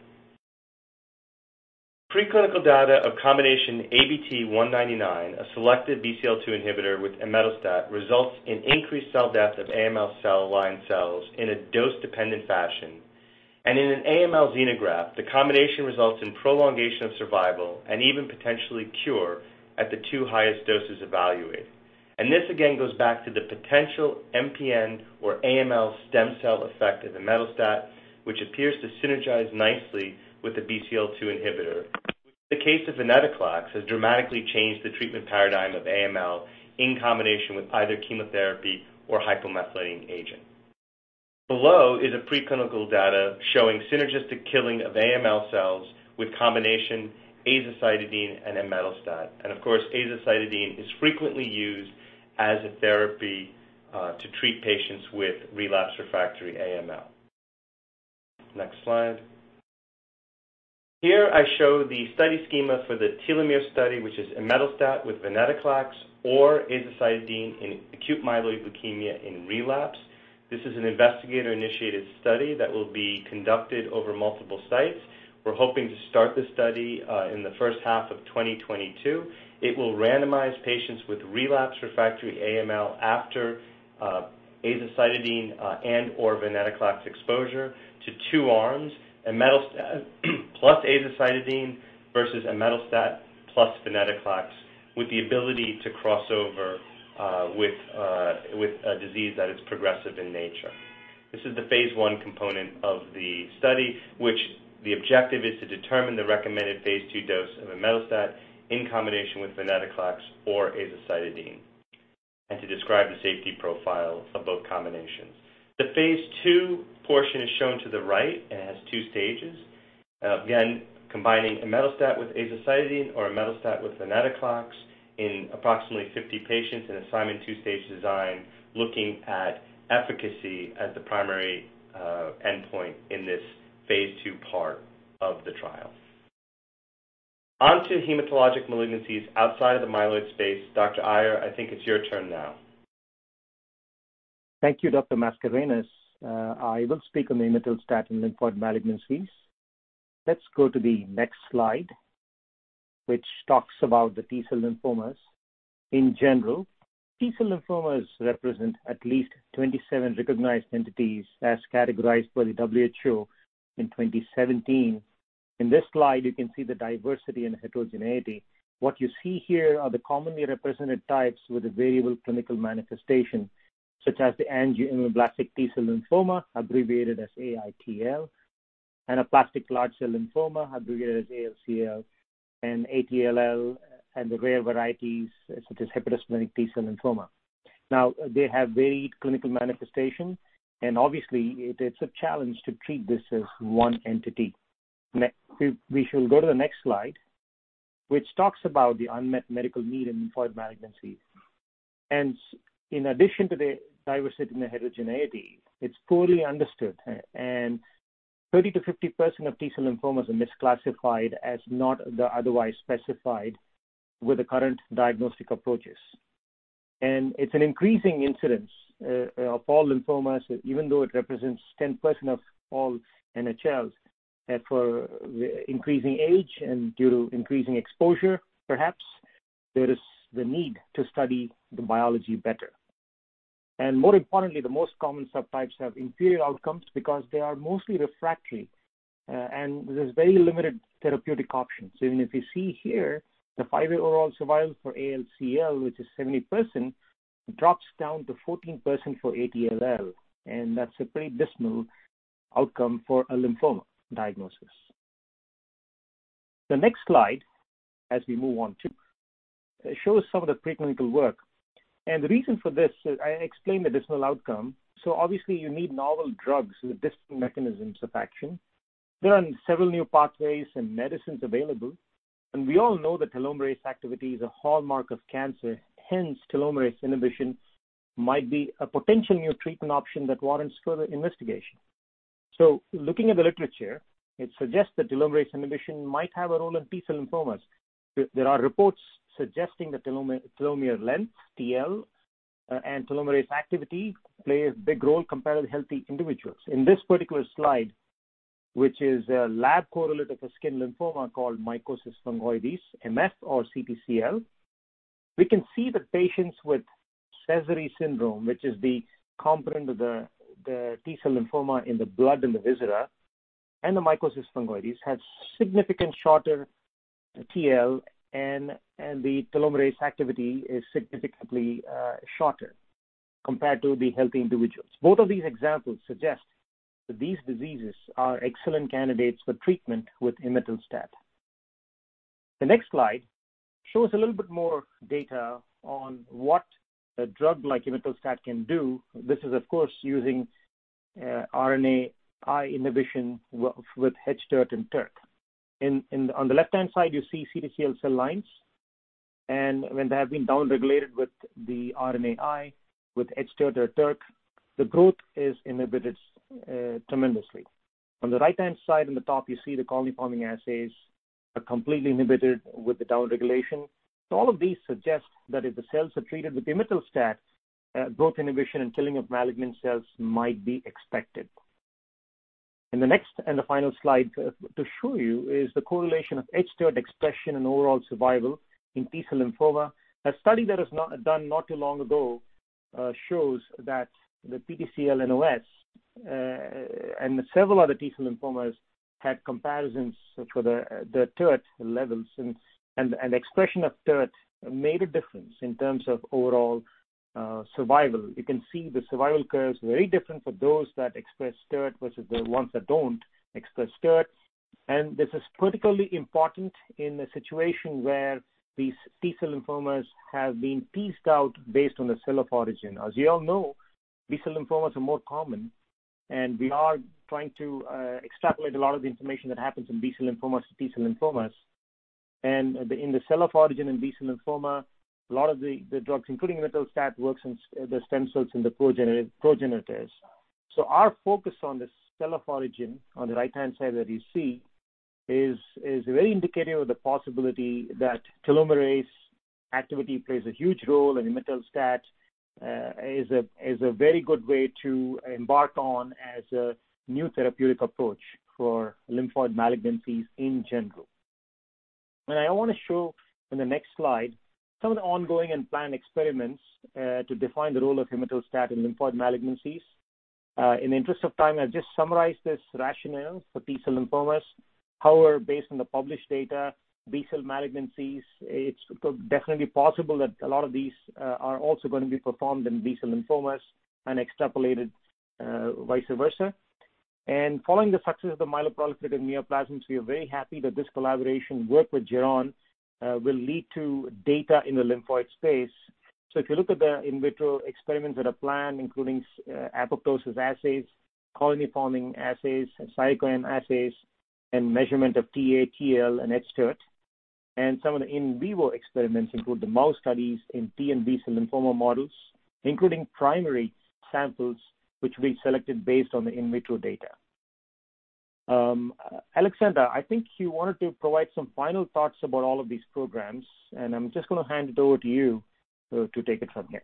Preclinical data of combination ABT-199, a selective BCL-2 inhibitor with Imetelstat, results in increased cell death of AML cell line cells in a dose-dependent fashion. In an AML xenograft, the combination results in prolongation of survival and even potentially cure at the two highest doses evaluated. This again goes back to the potential MPN or AML stem cell effect of Imetelstat, which appears to synergize nicely with the BCL-2 inhibitor. The case of Venetoclax has dramatically changed the treatment paradigm of AML in combination with either chemotherapy or hypomethylating agent. Below is a preclinical data showing synergistic killing of AML cells with combination azacitidine and Imetelstat. Of course, azacitidine is frequently used as a therapy to treat patients with relapsed/refractory AML. Next slide. Here I show the study schema for the Telomere study, which is imetelstat with venetoclax or azacitidine in acute myeloid leukemia in relapse. This is an investigator-initiated study that will be conducted over multiple sites. We're hoping to start the study in the H1 of 2022. It will randomize patients with relapsed/refractory AML after azacitidine and/or venetoclax exposure to two arms, imetelstat plus azacitidine versus imetelstat plus venetoclax, with the ability to cross over with a disease that is progressive in nature. This is the phase I component of the study, which the objective is to determine the recommended phase II dose of imetelstat in combination with venetoclax or azacitidine, and to describe the safety profile of both combinations. The phase II portion is shown to the right and has two stages. Again, combining imetelstat with azacitidine or imetelstat with venetoclax in approximately 50 patients in a Simon's two-stage design, looking at efficacy as the primary endpoint in this phase II part of the trial. On to hematologic malignancies outside the myeloid space. Dr. Swamy Iyer, I think it's your turn now. Thank you, Dr. Mascarenhas. I will speak on Imetelstat in lymphoid malignancies. Let's go to the next slide, which talks about the T-cell lymphomas. In general, T-cell lymphomas represent at least 27 recognized entities as categorized by the WHO in 2017. In this slide, you can see the diversity and heterogeneity. What you see here are the commonly represented types with a variable clinical manifestation, such as the angioimmunoblastic T-cell lymphoma, abbreviated as AITL, anaplastic large cell lymphoma, abbreviated as ALCL, and ATLL, and the rare varieties such as hepatosplenic T-cell lymphoma. Now, they have varied clinical manifestation, and obviously it is a challenge to treat this as one entity. We shall go to the next slide, which talks about the unmet medical need in lymphoid malignancies. In addition to the diversity and the heterogeneity, it's poorly understood, and 30%-50% of T-cell lymphomas are misclassified as not otherwise specified with the current diagnostic approaches. It's an increasing incidence of all lymphomas, even though it represents 10% of all NHLs. For increasing age and due to increasing exposure perhaps, there is the need to study the biology better. More importantly, the most common subtypes have inferior outcomes because they are mostly refractory, and there's very limited therapeutic options. Even if you see here, the five year overall survival for ALCL, which is 70%, drops down to 14% for ATLL, and that's a pretty dismal outcome for a lymphoma diagnosis. The next slide shows some of the preclinical work. The reason for this, I explained the dismal outcome, so obviously you need novel drugs with different mechanisms of action. There are several new pathways and medicines available, and we all know that telomerase activity is a hallmark of cancer. Hence, telomerase inhibition might be a potential new treatment option that warrants further investigation. Looking at the literature, it suggests that telomerase inhibition might have a role in T-cell lymphomas. There are reports suggesting that telomere length, TL, and telomerase activity plays a big role compared with healthy individuals. In this particular slide, which is a lab correlate of a skin lymphoma called mycosis fungoides, MF or CTCL, we can see that patients with Sézary syndrome, which is the component of the T-cell lymphoma in the blood and the viscera, and the mycosis fungoides, have significant shorter TL and the telomerase activity is significantly shorter compared to the healthy individuals. Both of these examples suggest that these diseases are excellent candidates for treatment with Imetelstat. The next slide shows a little bit more data on what a drug like Imetelstat can do. This is, of course, using RNAi inhibition with hTERT and TERT. On the left-hand side, you see CTCL cell lines, and when they have been downregulated with the RNAi with hTERT or TERT, the growth is inhibited tremendously. On the right-hand side, in the top, you see the colony-forming assays are completely inhibited with the downregulation. All of these suggest that if the cells are treated with Imetelstat, growth inhibition and killing of malignant cells might be expected. In the next and the final slide to show you is the correlation of hTERT expression and overall survival in T-cell lymphoma. A study done not too long ago shows that the PTCL-NOS and several other T-cell lymphomas had comparisons for the TERT levels and expression of TERT made a difference in terms of overall survival. You can see the survival curve is very different for those that express TERT versus the ones that don't express TERT. This is critically important in a situation where these T-cell lymphomas have been pieced out based on the cell of origin. As you all know, B-cell lymphomas are more common, and we are trying to extrapolate a lot of the information that happens in B-cell lymphomas to T-cell lymphomas. In the cell of origin in B-cell lymphoma, a lot of the drugs, including Imetelstat, works in the stem cells in the progenitors. Our focus on the cell of origin, on the right-hand side that you see, is very indicative of the possibility that telomerase activity plays a huge role, and Imetelstat is a very good way to embark on as a new therapeutic approach for lymphoid malignancies in general. I wanna show in the next slide some of the ongoing and planned experiments to define the role of Imetelstat in lymphoid malignancies. In the interest of time, I'll just summarize this rationale for T-cell lymphomas. However, based on the published data, B-cell malignancies, it's definitely possible that a lot of these are also gonna be performed in B-cell lymphomas and extrapolated vice versa. Following the success of the myeloproliferative neoplasms, we are very happy that this collaboration work with Geron will lead to data in the lymphoid space. If you look at the in vitro experiments that are planned, including apoptosis assays, colony-forming assays, Cytospin assays, and measurement of TA, TL, and hTERT. Some of the in vivo experiments include the mouse studies in T and B-cell lymphoma models, including primary samples which we selected based on the in vitro data. Aleksandra, I think you wanted to provide some final thoughts about all of these programs, and I'm just gonna hand it over to you, to take it from here.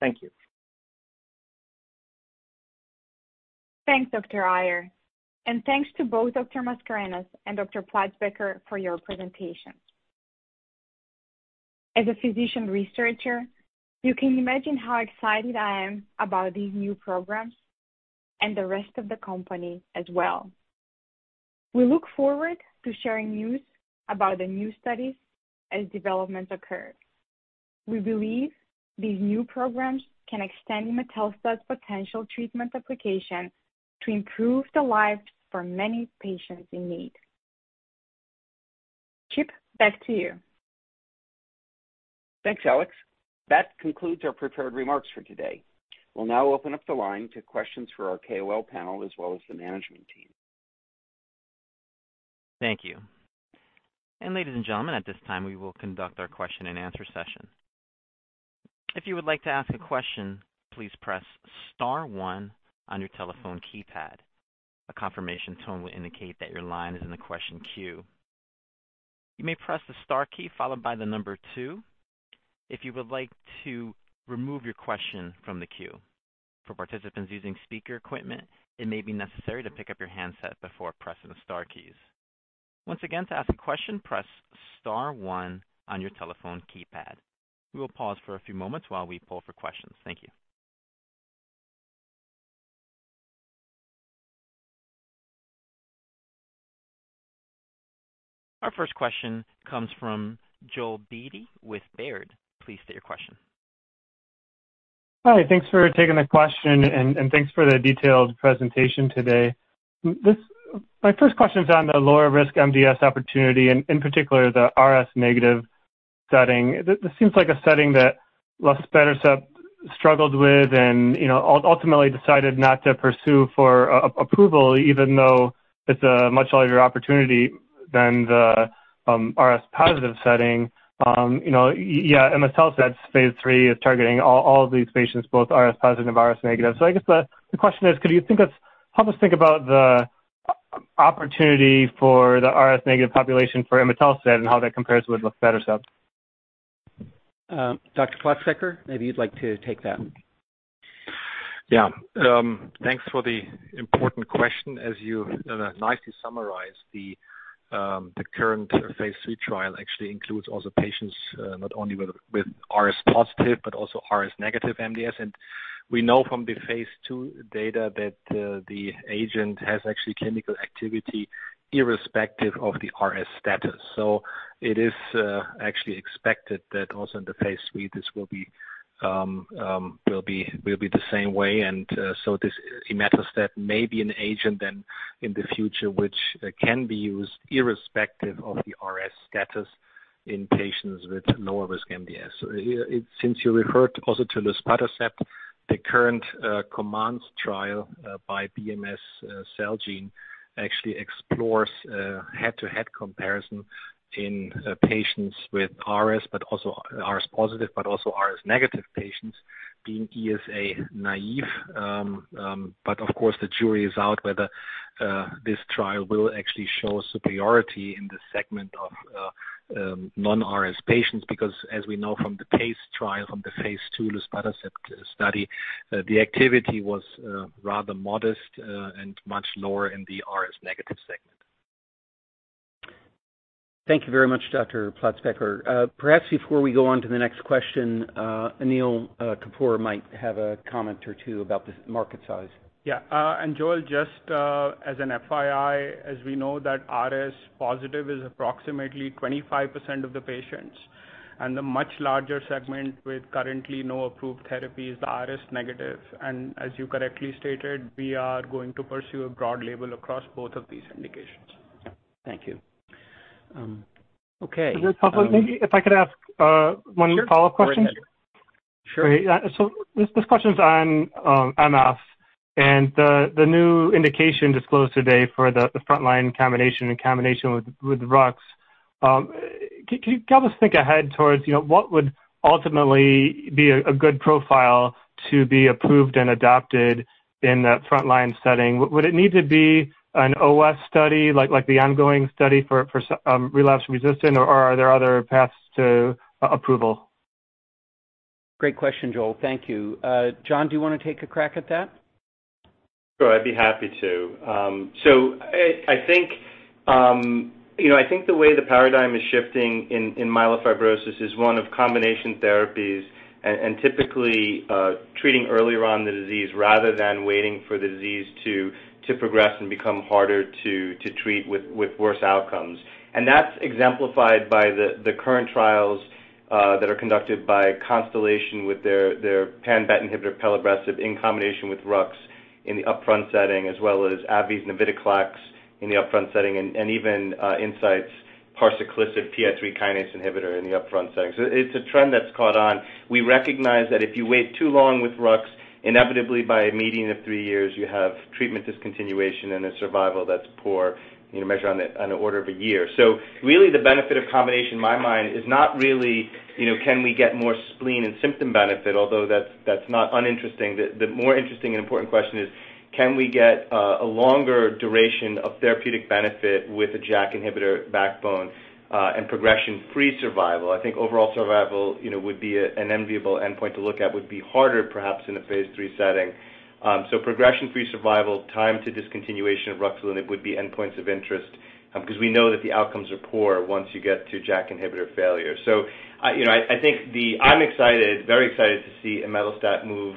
Thank you. Thanks, Dr. Verstovsek, and thanks to both Dr. Mascarenhas and Dr. Platzbecker for your presentations. As a physician researcher, you can imagine how excited I am about these new programs and the rest of the company as well. We look forward to sharing news about the new studies as developments occur. We believe these new programs can extend Imetelstat's potential treatment application to improve the lives for many patients in need. Chip, back to you. Thanks, Alex. That concludes our prepared remarks for today. We'll now open up the line to questions for our KOL panel as well as the management team. Thank you. Ladies and gentlemen, at this time, we will conduct our question and answer session. If you would like to ask a question, please press star one on your telephone keypad. A confirmation tone will indicate that your line is in the question queue. You may press the star key followed by the number two if you would like to remove your question from the queue. For participants using speaker equipment, it may be necessary to pick up your handset before pressing the star keys. Once again, to ask a question, press star one on your telephone keypad. We will pause for a few moments while we poll for questions. Thank you. Our first question comes from Joel Beatty with Baird. Please state your question. Hi. Thanks for taking the question, and thanks for the detailed presentation today. My first question is on the lower risk MDS opportunity and, in particular, the RS-negative This seems like a setting that luspatercept struggled with and, you know, ultimately decided not to pursue for approval, even though it's a much larger opportunity than the RS positive setting. You know, yeah, Imetelstat's phase III is targeting all of these patients, both RS positive, RS negative. I guess the question is, help us think about the opportunity for the RS negative population for Imetelstat and how that compares with luspatercept. Dr. Platzbecker, maybe you'd like to take that. Yeah. Thanks for the important question. As you nicely summarized, the current phase III trial actually includes also patients not only with RS positive, but also RS negative MDS. We know from the phase II data that the agent has actually clinical activity irrespective of the RS status. It is actually expected that also in the phase III, this will be the same way. This Imetelstat may be an agent then in the future, which can be used irrespective of the RS status in patients with low-risk MDS. Since you referred also to Luspatercept, the current COMMANDS trial by BMS, Celgene actually explores a head-to-head comparison in patients with RS positive, but also RS negative patients being ESA naive. Of course, the jury is out whether this trial will actually show superiority in the segment of non-RS patients, because as we know from the PACE trial, from the phase II luspatercept study, the activity was rather modest and much lower in the RS negative segment. Thank you very much, Dr. Platzbecker. Perhaps before we go on to the next question, Anil Kapur might have a comment or two about this market size. Joel, just as an FYI, as we know that RS positive is approximately 25% of the patients, and the much larger segment with currently no approved therapy is the RS negative. As you correctly stated, we are going to pursue a broad label across both of these indications. Thank you. If I could ask, one follow-up question. Sure. Go ahead. This question's on MF and the new indication disclosed today for the frontline combination and combination with Rux. Can you help us think ahead towards, you know, what would ultimately be a good profile to be approved and adopted in that frontline setting? Would it need to be an OS study, like the ongoing study for relapse resistant, or are there other paths to approval? Great question, Joel. Thank you. John, do you wanna take a crack at that? Sure. I'd be happy to. So I think you know I think the way the paradigm is shifting in myelofibrosis is one of combination therapies and typically treating earlier on the disease rather than waiting for the disease to progress and become harder to treat with worse outcomes. That's exemplified by the current trials that are conducted by Constellation with their pan BET inhibitor, Pelabresib, in combination with Rux in the upfront setting, as well as AbbVie's Navitoclax in the upfront setting, and even Incyte's Parsaclisib PI3 kinase inhibitor in the upfront setting. It's a trend that's caught on. We recognize that if you wait too long with Rux, inevitably by a median of three years, you have treatment discontinuation and a survival that's poor, you know, measured on an order of a year. Really the benefit of combination in my mind is not really, you know, can we get more spleen and symptom benefit, although that's not uninteresting. The more interesting and important question is, can we get a longer duration of therapeutic benefit with a JAK inhibitor backbone and progression-free survival? I think overall survival, you know, would be an enviable endpoint to look at, would be harder perhaps in a phase III setting. Progression-free survival, time to discontinuation of Ruxolitinib would be endpoints of interest, 'cause we know that the outcomes are poor once you get to JAK inhibitor failure. I think I'm excited, very excited to see Imetelstat move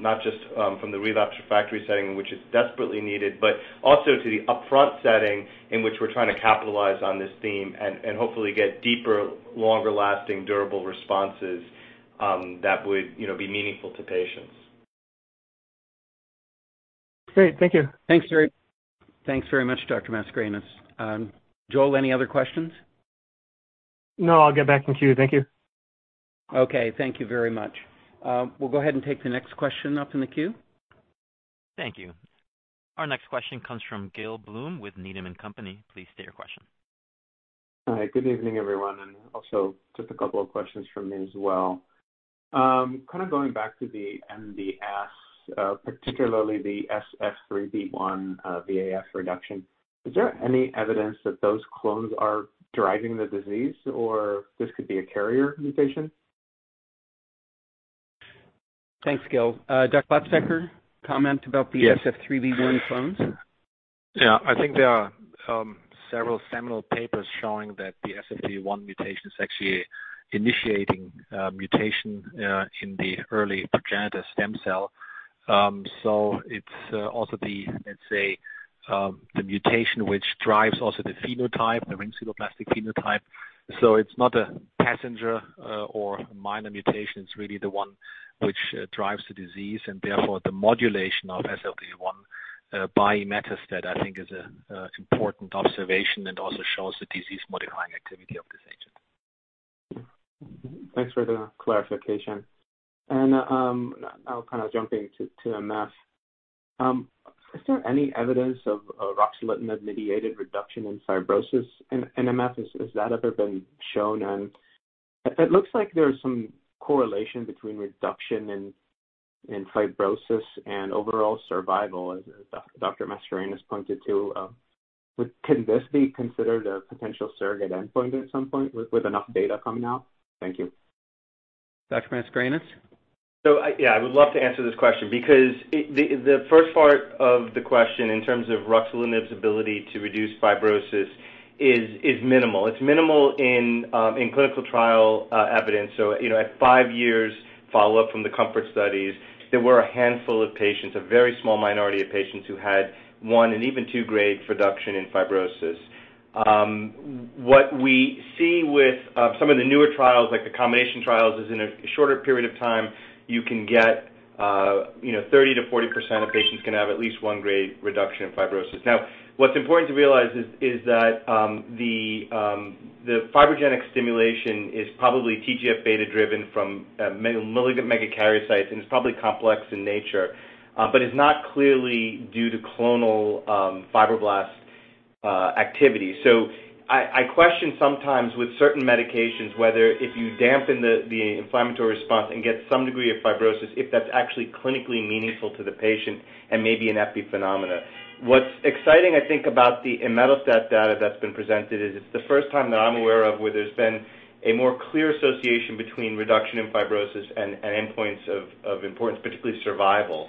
not just from the relapsed refractory setting, which is desperately needed, but also to the upfront setting in which we're trying to capitalize on this theme and hopefully get deeper, longer-lasting durable responses that would, you know, be meaningful to patients. Great. Thank you. Thanks very much, Dr. Mascarenhas. Joel, any other questions? No, I'll get back in queue. Thank you. Okay, thank you very much. We'll go ahead and take the next question up in the queue. Thank you. Our next question comes from Gil Blum with Needham & Company. Please state your question. Hi, good evening, everyone, and also just a couple of questions from me as well. Kind of going back to the MDS, particularly the SF3B1, VAF reduction, is there any evidence that those clones are driving the disease or this could be a carrier mutation? Thanks, Gil. Dr. Platzbecker, comment about the- Yes. SF3B1 clones. Yeah. I think there are several seminal papers showing that the SF3B1 mutation is actually initiating mutation in the early progenitor stem cell. It's also the, let's say, the mutation which drives also the phenotype, the ring sideroblastic phenotype. It's not a passenger or minor mutation. It's really the one which drives the disease, and therefore the modulation of SF3B1 by Imetelstat I think is an important observation and also shows the disease-modifying activity of this agent. Thanks for the clarification. Now kind of jumping to MF. Is there any evidence of ruxolitinib-mediated reduction in fibrosis in MF? Has that ever been shown? It looks like there is some correlation between reduction in fibrosis and overall survival, as Dr. Mascarenhas pointed to. Can this be considered a potential surrogate endpoint at some point with enough data coming out? Thank you. Dr. Mascarenhas? I would love to answer this question because the first part of the question in terms of ruxolitinib's ability to reduce fibrosis is minimal. It's minimal in clinical trial evidence. You know, at five years follow-up from the COMFORT studies, there were a handful of patients, a very small minority of patients who had one and even two grade reduction in fibrosis. What we see with some of the newer trials, like the combination trials, is in a shorter period of time, you can get you know, 30%-40% of patients can have at least one grade reduction in fibrosis. Now, what's important to realize is that the fibrogenic stimulation is probably TGF-β-driven from megakaryocytes, and it's probably complex in nature, but is not clearly due to clonal fibroblast activity. I question sometimes with certain medications whether if you dampen the inflammatory response and get some degree of fibrosis if that's actually clinically meaningful to the patient and maybe an epiphenomenon. What's exciting, I think, about the Imetelstat data that's been presented is it's the first time that I'm aware of where there's been a more clear association between reduction in fibrosis and endpoints of importance, particularly survival.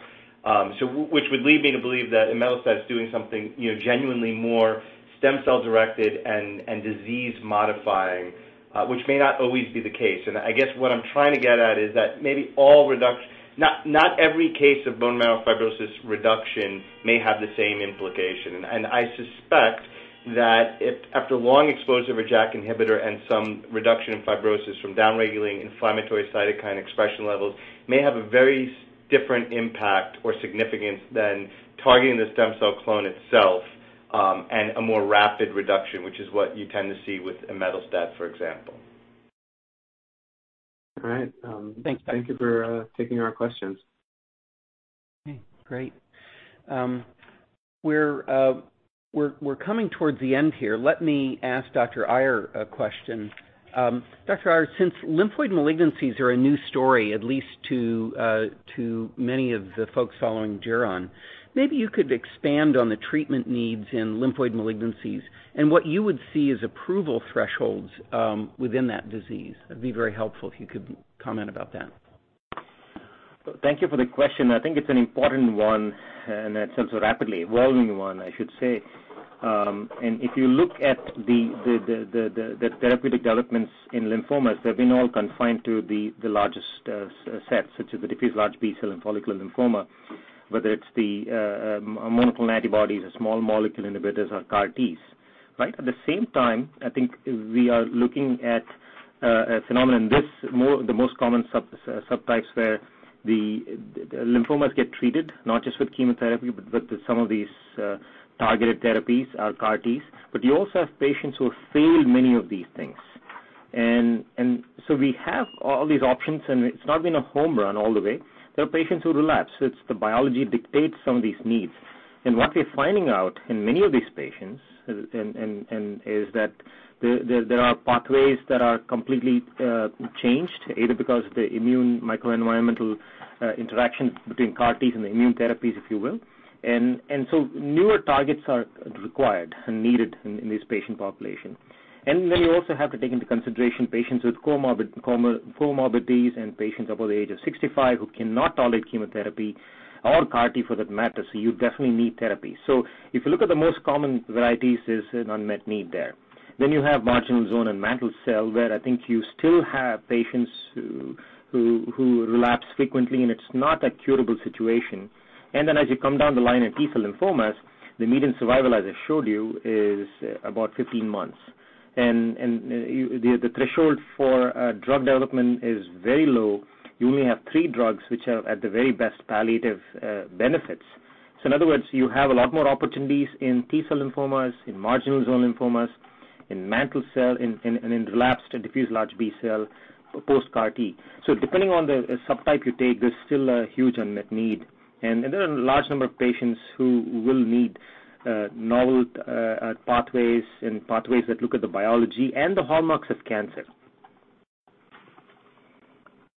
Which would lead me to believe that Imetelstat is doing something, you know, genuinely more stem cell-directed and disease-modifying, which may not always be the case. I guess what I'm trying to get at is that not every case of bone marrow fibrosis reduction may have the same implication. I suspect that if after long exposure of a JAK inhibitor and some reduction in fibrosis from down-regulating inflammatory cytokine expression levels may have a very different impact or significance than targeting the stem cell clone itself, and a more rapid reduction, which is what you tend to see with Imetelstat, for example. All right. Thanks. Thank you for taking our questions. Okay. Great. We're coming towards the end here. Let me ask Dr. Verstovsek a question. Dr. Verstovsek, since lymphoid malignancies are a new story, at least to many of the folks following Geron, maybe you could expand on the treatment needs in lymphoid malignancies and what you would see as approval thresholds within that disease. That'd be very helpful if you could comment about that. Thank you for the question. I think it's an important one, and it's also a rapidly evolving one, I should say. If you look at the therapeutic developments in lymphomas, they've been all confined to the largest subsets, such as the diffuse large B-cell and follicular lymphoma, whether it's the monoclonal antibodies or small molecule inhibitors or CAR-Ts, right? At the same time, I think we are looking at a phenomenon, the most common subtypes where the lymphomas get treated, not just with chemotherapy, but with some of these targeted therapies, CAR-Ts. You also have patients who have failed many of these things. So we have all these options, and it's not been a home run all the way. There are patients who relapse. It's the biology dictates some of these needs. What we're finding out in many of these patients is that there are pathways that are completely changed, either because of the immune microenvironmental interaction between CAR-Ts and the immune therapies, if you will. Newer targets are required and needed in this patient population. You also have to take into consideration patients with comorbidities and patients over the age of 65 who cannot tolerate chemotherapy or CAR-T, for that matter. You definitely need therapy. If you look at the most common varieties, there's an unmet need there. You have marginal zone and mantle cell where I think you still have patients who relapse frequently, and it's not a curable situation. As you come down the line in T-cell lymphomas, the median survival, as I showed you, is about 15 months. The threshold for drug development is very low. You only have three drugs which are at the very best palliative benefits. In other words, you have a lot more opportunities in T-cell lymphomas, in marginal zone lymphomas, in mantle cell, in relapsed and diffuse large B-cell post-CAR-T. Depending on the subtype you take, there's still a huge unmet need. There are a large number of patients who will need novel pathways and pathways that look at the biology and the hallmarks of cancer.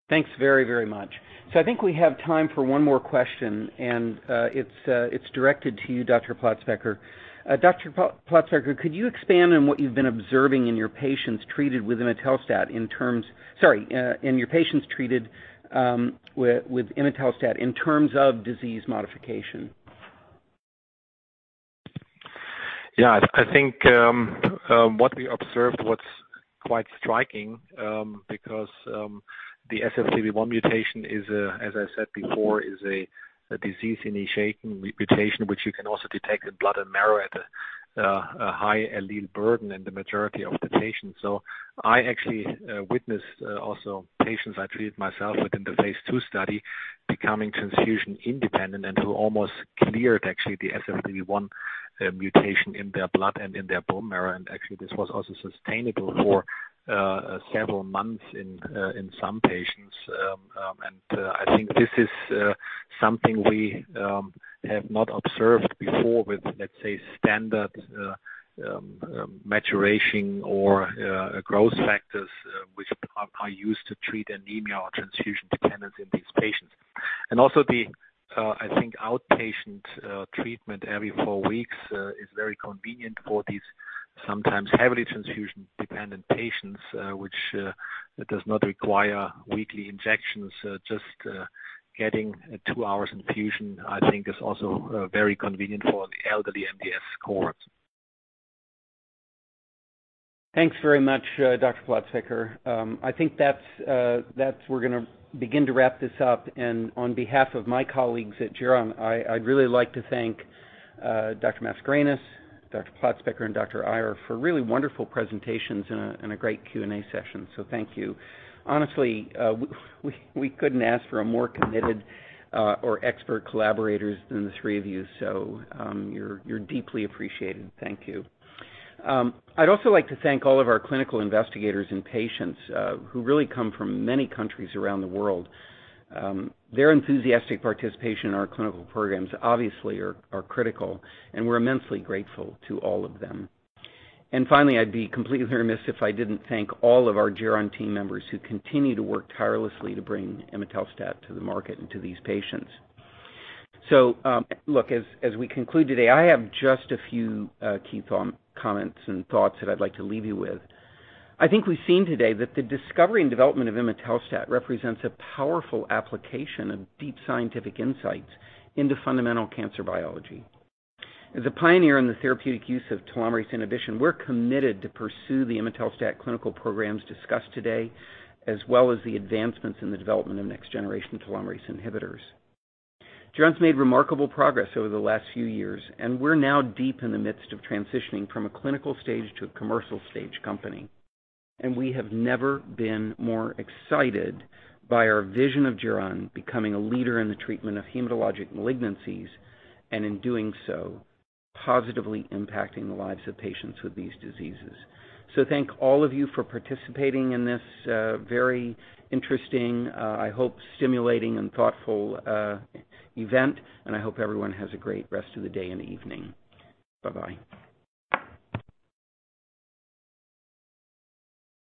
Thanks very, very much. I think we have time for one more question, and it's directed to you, Dr. Platzbecker. Dr. Platzbecker, could you expand on what you've been observing in your patients treated with Imetelstat in terms of disease modification? Yeah. I think what we observed was quite striking, because the SF3B1 mutation is a, as I said before, a disease-initiating mutation, which you can also detect in blood and marrow at a high allele burden in the majority of the patients. I actually witnessed also patients I treated myself within the phase II study, becoming transfusion independent and who almost cleared actually the SF3B1 mutation in their blood and in their bone marrow. Actually this was also sustainable for several months in some patients. I think this is something we have not observed before with, let's say, standard maturation or growth factors, which are used to treat anemia or transfusion dependence in these patients. Also, I think, the outpatient treatment every two weeks is very convenient for these sometimes heavily transfusion-dependent patients, which does not require weekly injections, just getting 2 hours infusion. I think it is also very convenient for the elderly MDS cohorts. Thanks very much, Dr. Platzbecker. I think that's where we're gonna begin to wrap this up. On behalf of my colleagues at Geron, I'd really like to thank Dr. Mascarenhas, Dr. Platzbecker, and Dr. Verstovsek for really wonderful presentations and a great Q&A session. Thank you. Honestly, we couldn't ask for a more committed or expert collaborators than the three of you. You're deeply appreciated. Thank you. I'd also like to thank all of our clinical investigators and patients who really come from many countries around the world. Their enthusiastic participation in our clinical programs obviously are critical, and we're immensely grateful to all of them. Finally, I'd be completely remiss if I didn't thank all of our Geron team members who continue to work tirelessly to bring Imetelstat to the market and to these patients. As we conclude today, I have just a few key thought comments and thoughts that I'd like to leave you with. I think we've seen today that the discovery and development of Imetelstat represents a powerful application of deep scientific insights into fundamental cancer biology. As a pioneer in the therapeutic use of telomerase inhibition, we're committed to pursue the Imetelstat clinical programs discussed today, as well as the advancements in the development of next-generation telomerase inhibitors. Geron's made remarkable progress over the last few years, and we're now deep in the midst of transitioning from a clinical stage to a commercial stage company. We have never been more excited by our vision of Geron becoming a leader in the treatment of hematologic malignancies, and in doing so, positively impacting the lives of patients with these diseases. Thank all of you for participating in this, very interesting, I hope, stimulating and thoughtful, event, and I hope everyone has a great rest of the day and evening. Bye-bye.